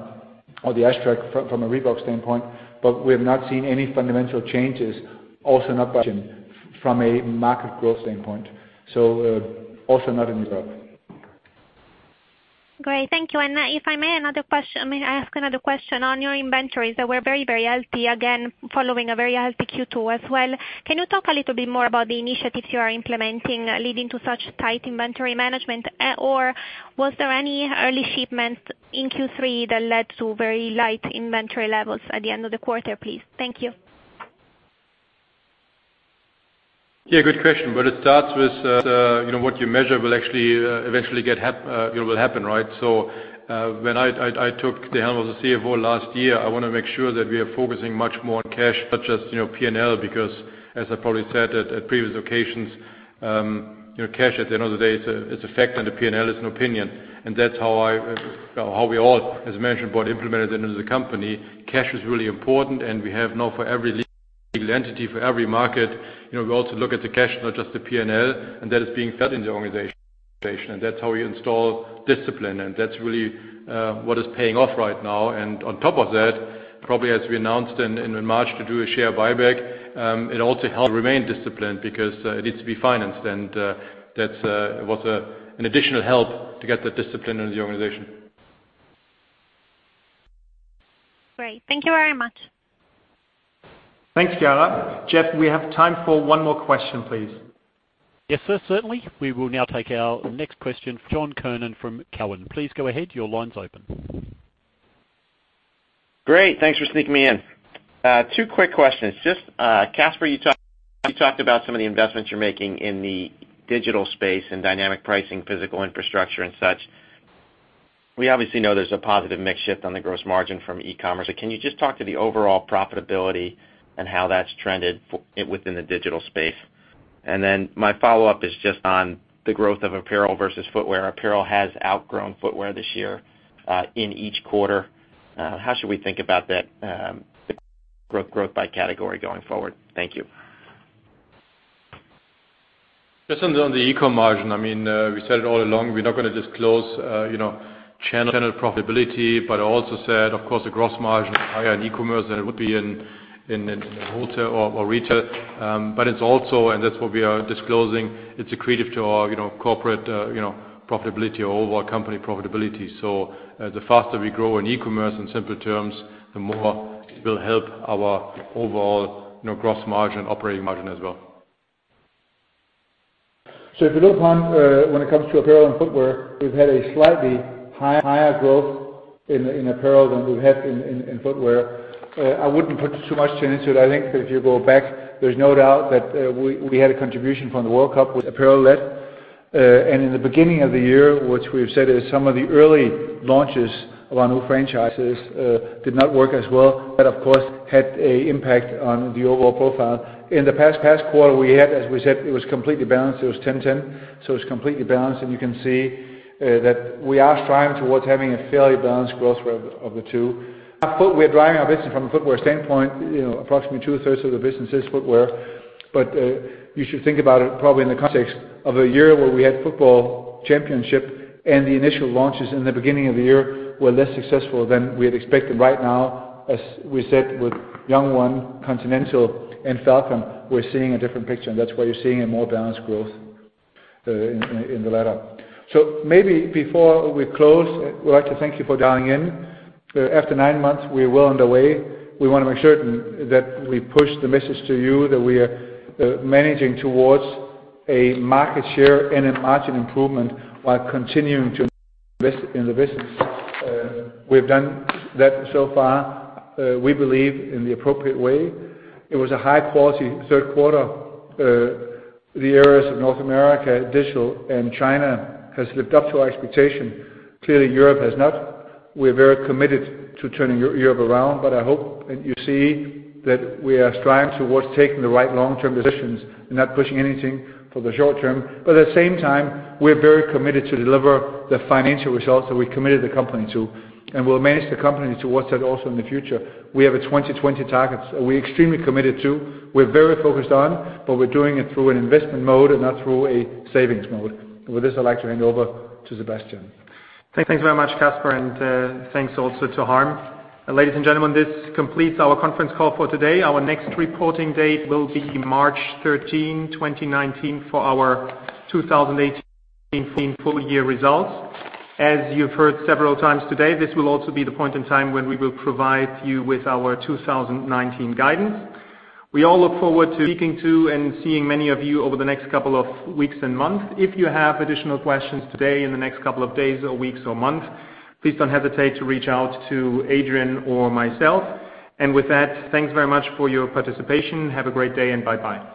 or the Aztrek from a Reebok standpoint. We have not seen any fundamental changes, also not by region, from a market growth standpoint. Also not in Europe. Great. Thank you. If I may, I ask another question on your inventories that were very healthy again, following a very healthy Q2 as well. Can you talk a little bit more about the initiatives you are implementing, leading to such tight inventory management? Was there any early shipment in Q3 that led to very light inventory levels at the end of the quarter, please? Thank you. Yeah, good question. It starts with what you measure will actually eventually happen, right? When I took the helm as the CFO last year, I want to make sure that we are focusing much more on cash, not just P&L, because as I probably said at previous occasions, cash, at the end of the day, it's a fact and a P&L is an opinion. That's how we all, as I mentioned, implemented it into the company. Cash is really important, and we have now for every legal entity, for every market, we also look at the cash, not just the P&L, and that is being felt in the organization. That's how we install discipline, and that's really what is paying off right now. On top of that, probably as we announced in March to do a share buyback, it also helps remain disciplined because it needs to be financed. That was an additional help to get that discipline into the organization. Great. Thank you very much. Thanks, Chiara. Jeff, we have time for one more question, please. Yes, sir. Certainly. We will now take our next question, John Kernan from Cowen. Please go ahead. Your line's open. Great. Thanks for sneaking me in. Two quick questions. Just, Kasper, you talked about some of the investments you're making in the digital space and dynamic pricing, physical infrastructure, and such. We obviously know there's a positive mix shift on the gross margin from e-commerce. Can you just talk to the overall profitability and how that's trended within the digital space? Then my follow-up is just on the growth of apparel versus footwear. Apparel has outgrown footwear this year, in each quarter. How should we think about that growth by category going forward? Thank you. Just on the e-com margin, we said it all along, we're not going to disclose channel profitability, but I also said, of course, the gross margin is higher in e-commerce than it would be in wholesale or retail. It's also, and that's what we are disclosing, it's accretive to our corporate profitability or overall company profitability. The faster we grow in e-commerce, in simple terms, the more it will help our overall gross margin, operating margin as well. If you look on when it comes to apparel and footwear, we've had a slightly higher growth in apparel than we've had in footwear. I wouldn't put too much into it. I think that if you go back, there's no doubt that we had a contribution from the World Cup with apparel led. In the beginning of the year, which we've said is some of the early launches of our new franchises, did not work as well. That, of course, had a impact on the overall profile. In the past quarter, we had, as we said, it was completely balanced. It was 10/10, it's completely balanced, and you can see that we are striving towards having a fairly balanced growth rate of the two. Our footwear driving our business from a footwear standpoint, approximately two-thirds of the business is footwear. You should think about it probably in the context of a year where we had Football Championship and the initial launches in the beginning of the year were less successful than we had expected. Right now, as we said, with Yung-1, Continental, and Falcon, we're seeing a different picture, and that's why you're seeing a more balanced growth in the latter. Maybe before we close, we would like to thank you for dialing in. After nine months, we are well underway. We want to make certain that we push the message to you that we are managing towards a market share and a margin improvement while continuing to invest in the business. We've done that so far, we believe in the appropriate way. It was a high quality third quarter. The areas of North America, digital, and China has lived up to our expectation. Clearly, Europe has not. We're very committed to turning Europe around, but I hope you see that we are striving towards taking the right long-term decisions and not pushing anything for the short term. At the same time, we're very committed to deliver the financial results that we committed the company to, and we'll manage the company towards that also in the future. We have a 2020 target we extremely committed to, we're very focused on, but we're doing it through an investment mode and not through a savings mode. With this, I'd like to hand over to Sebastian. Thanks very much, Kasper, and thanks also to Harm. Ladies and gentlemen, this completes our conference call for today. Our next reporting date will be March 13, 2019, for our 2018 full year results. As you've heard several times today, this will also be the point in time when we will provide you with our 2019 guidance. We all look forward to speaking to and seeing many of you over the next couple of weeks and months. If you have additional questions today, in the next couple of days, or weeks, or months, please don't hesitate to reach out to Adrian or myself. With that, thanks very much for your participation. Have a great day, and bye-bye.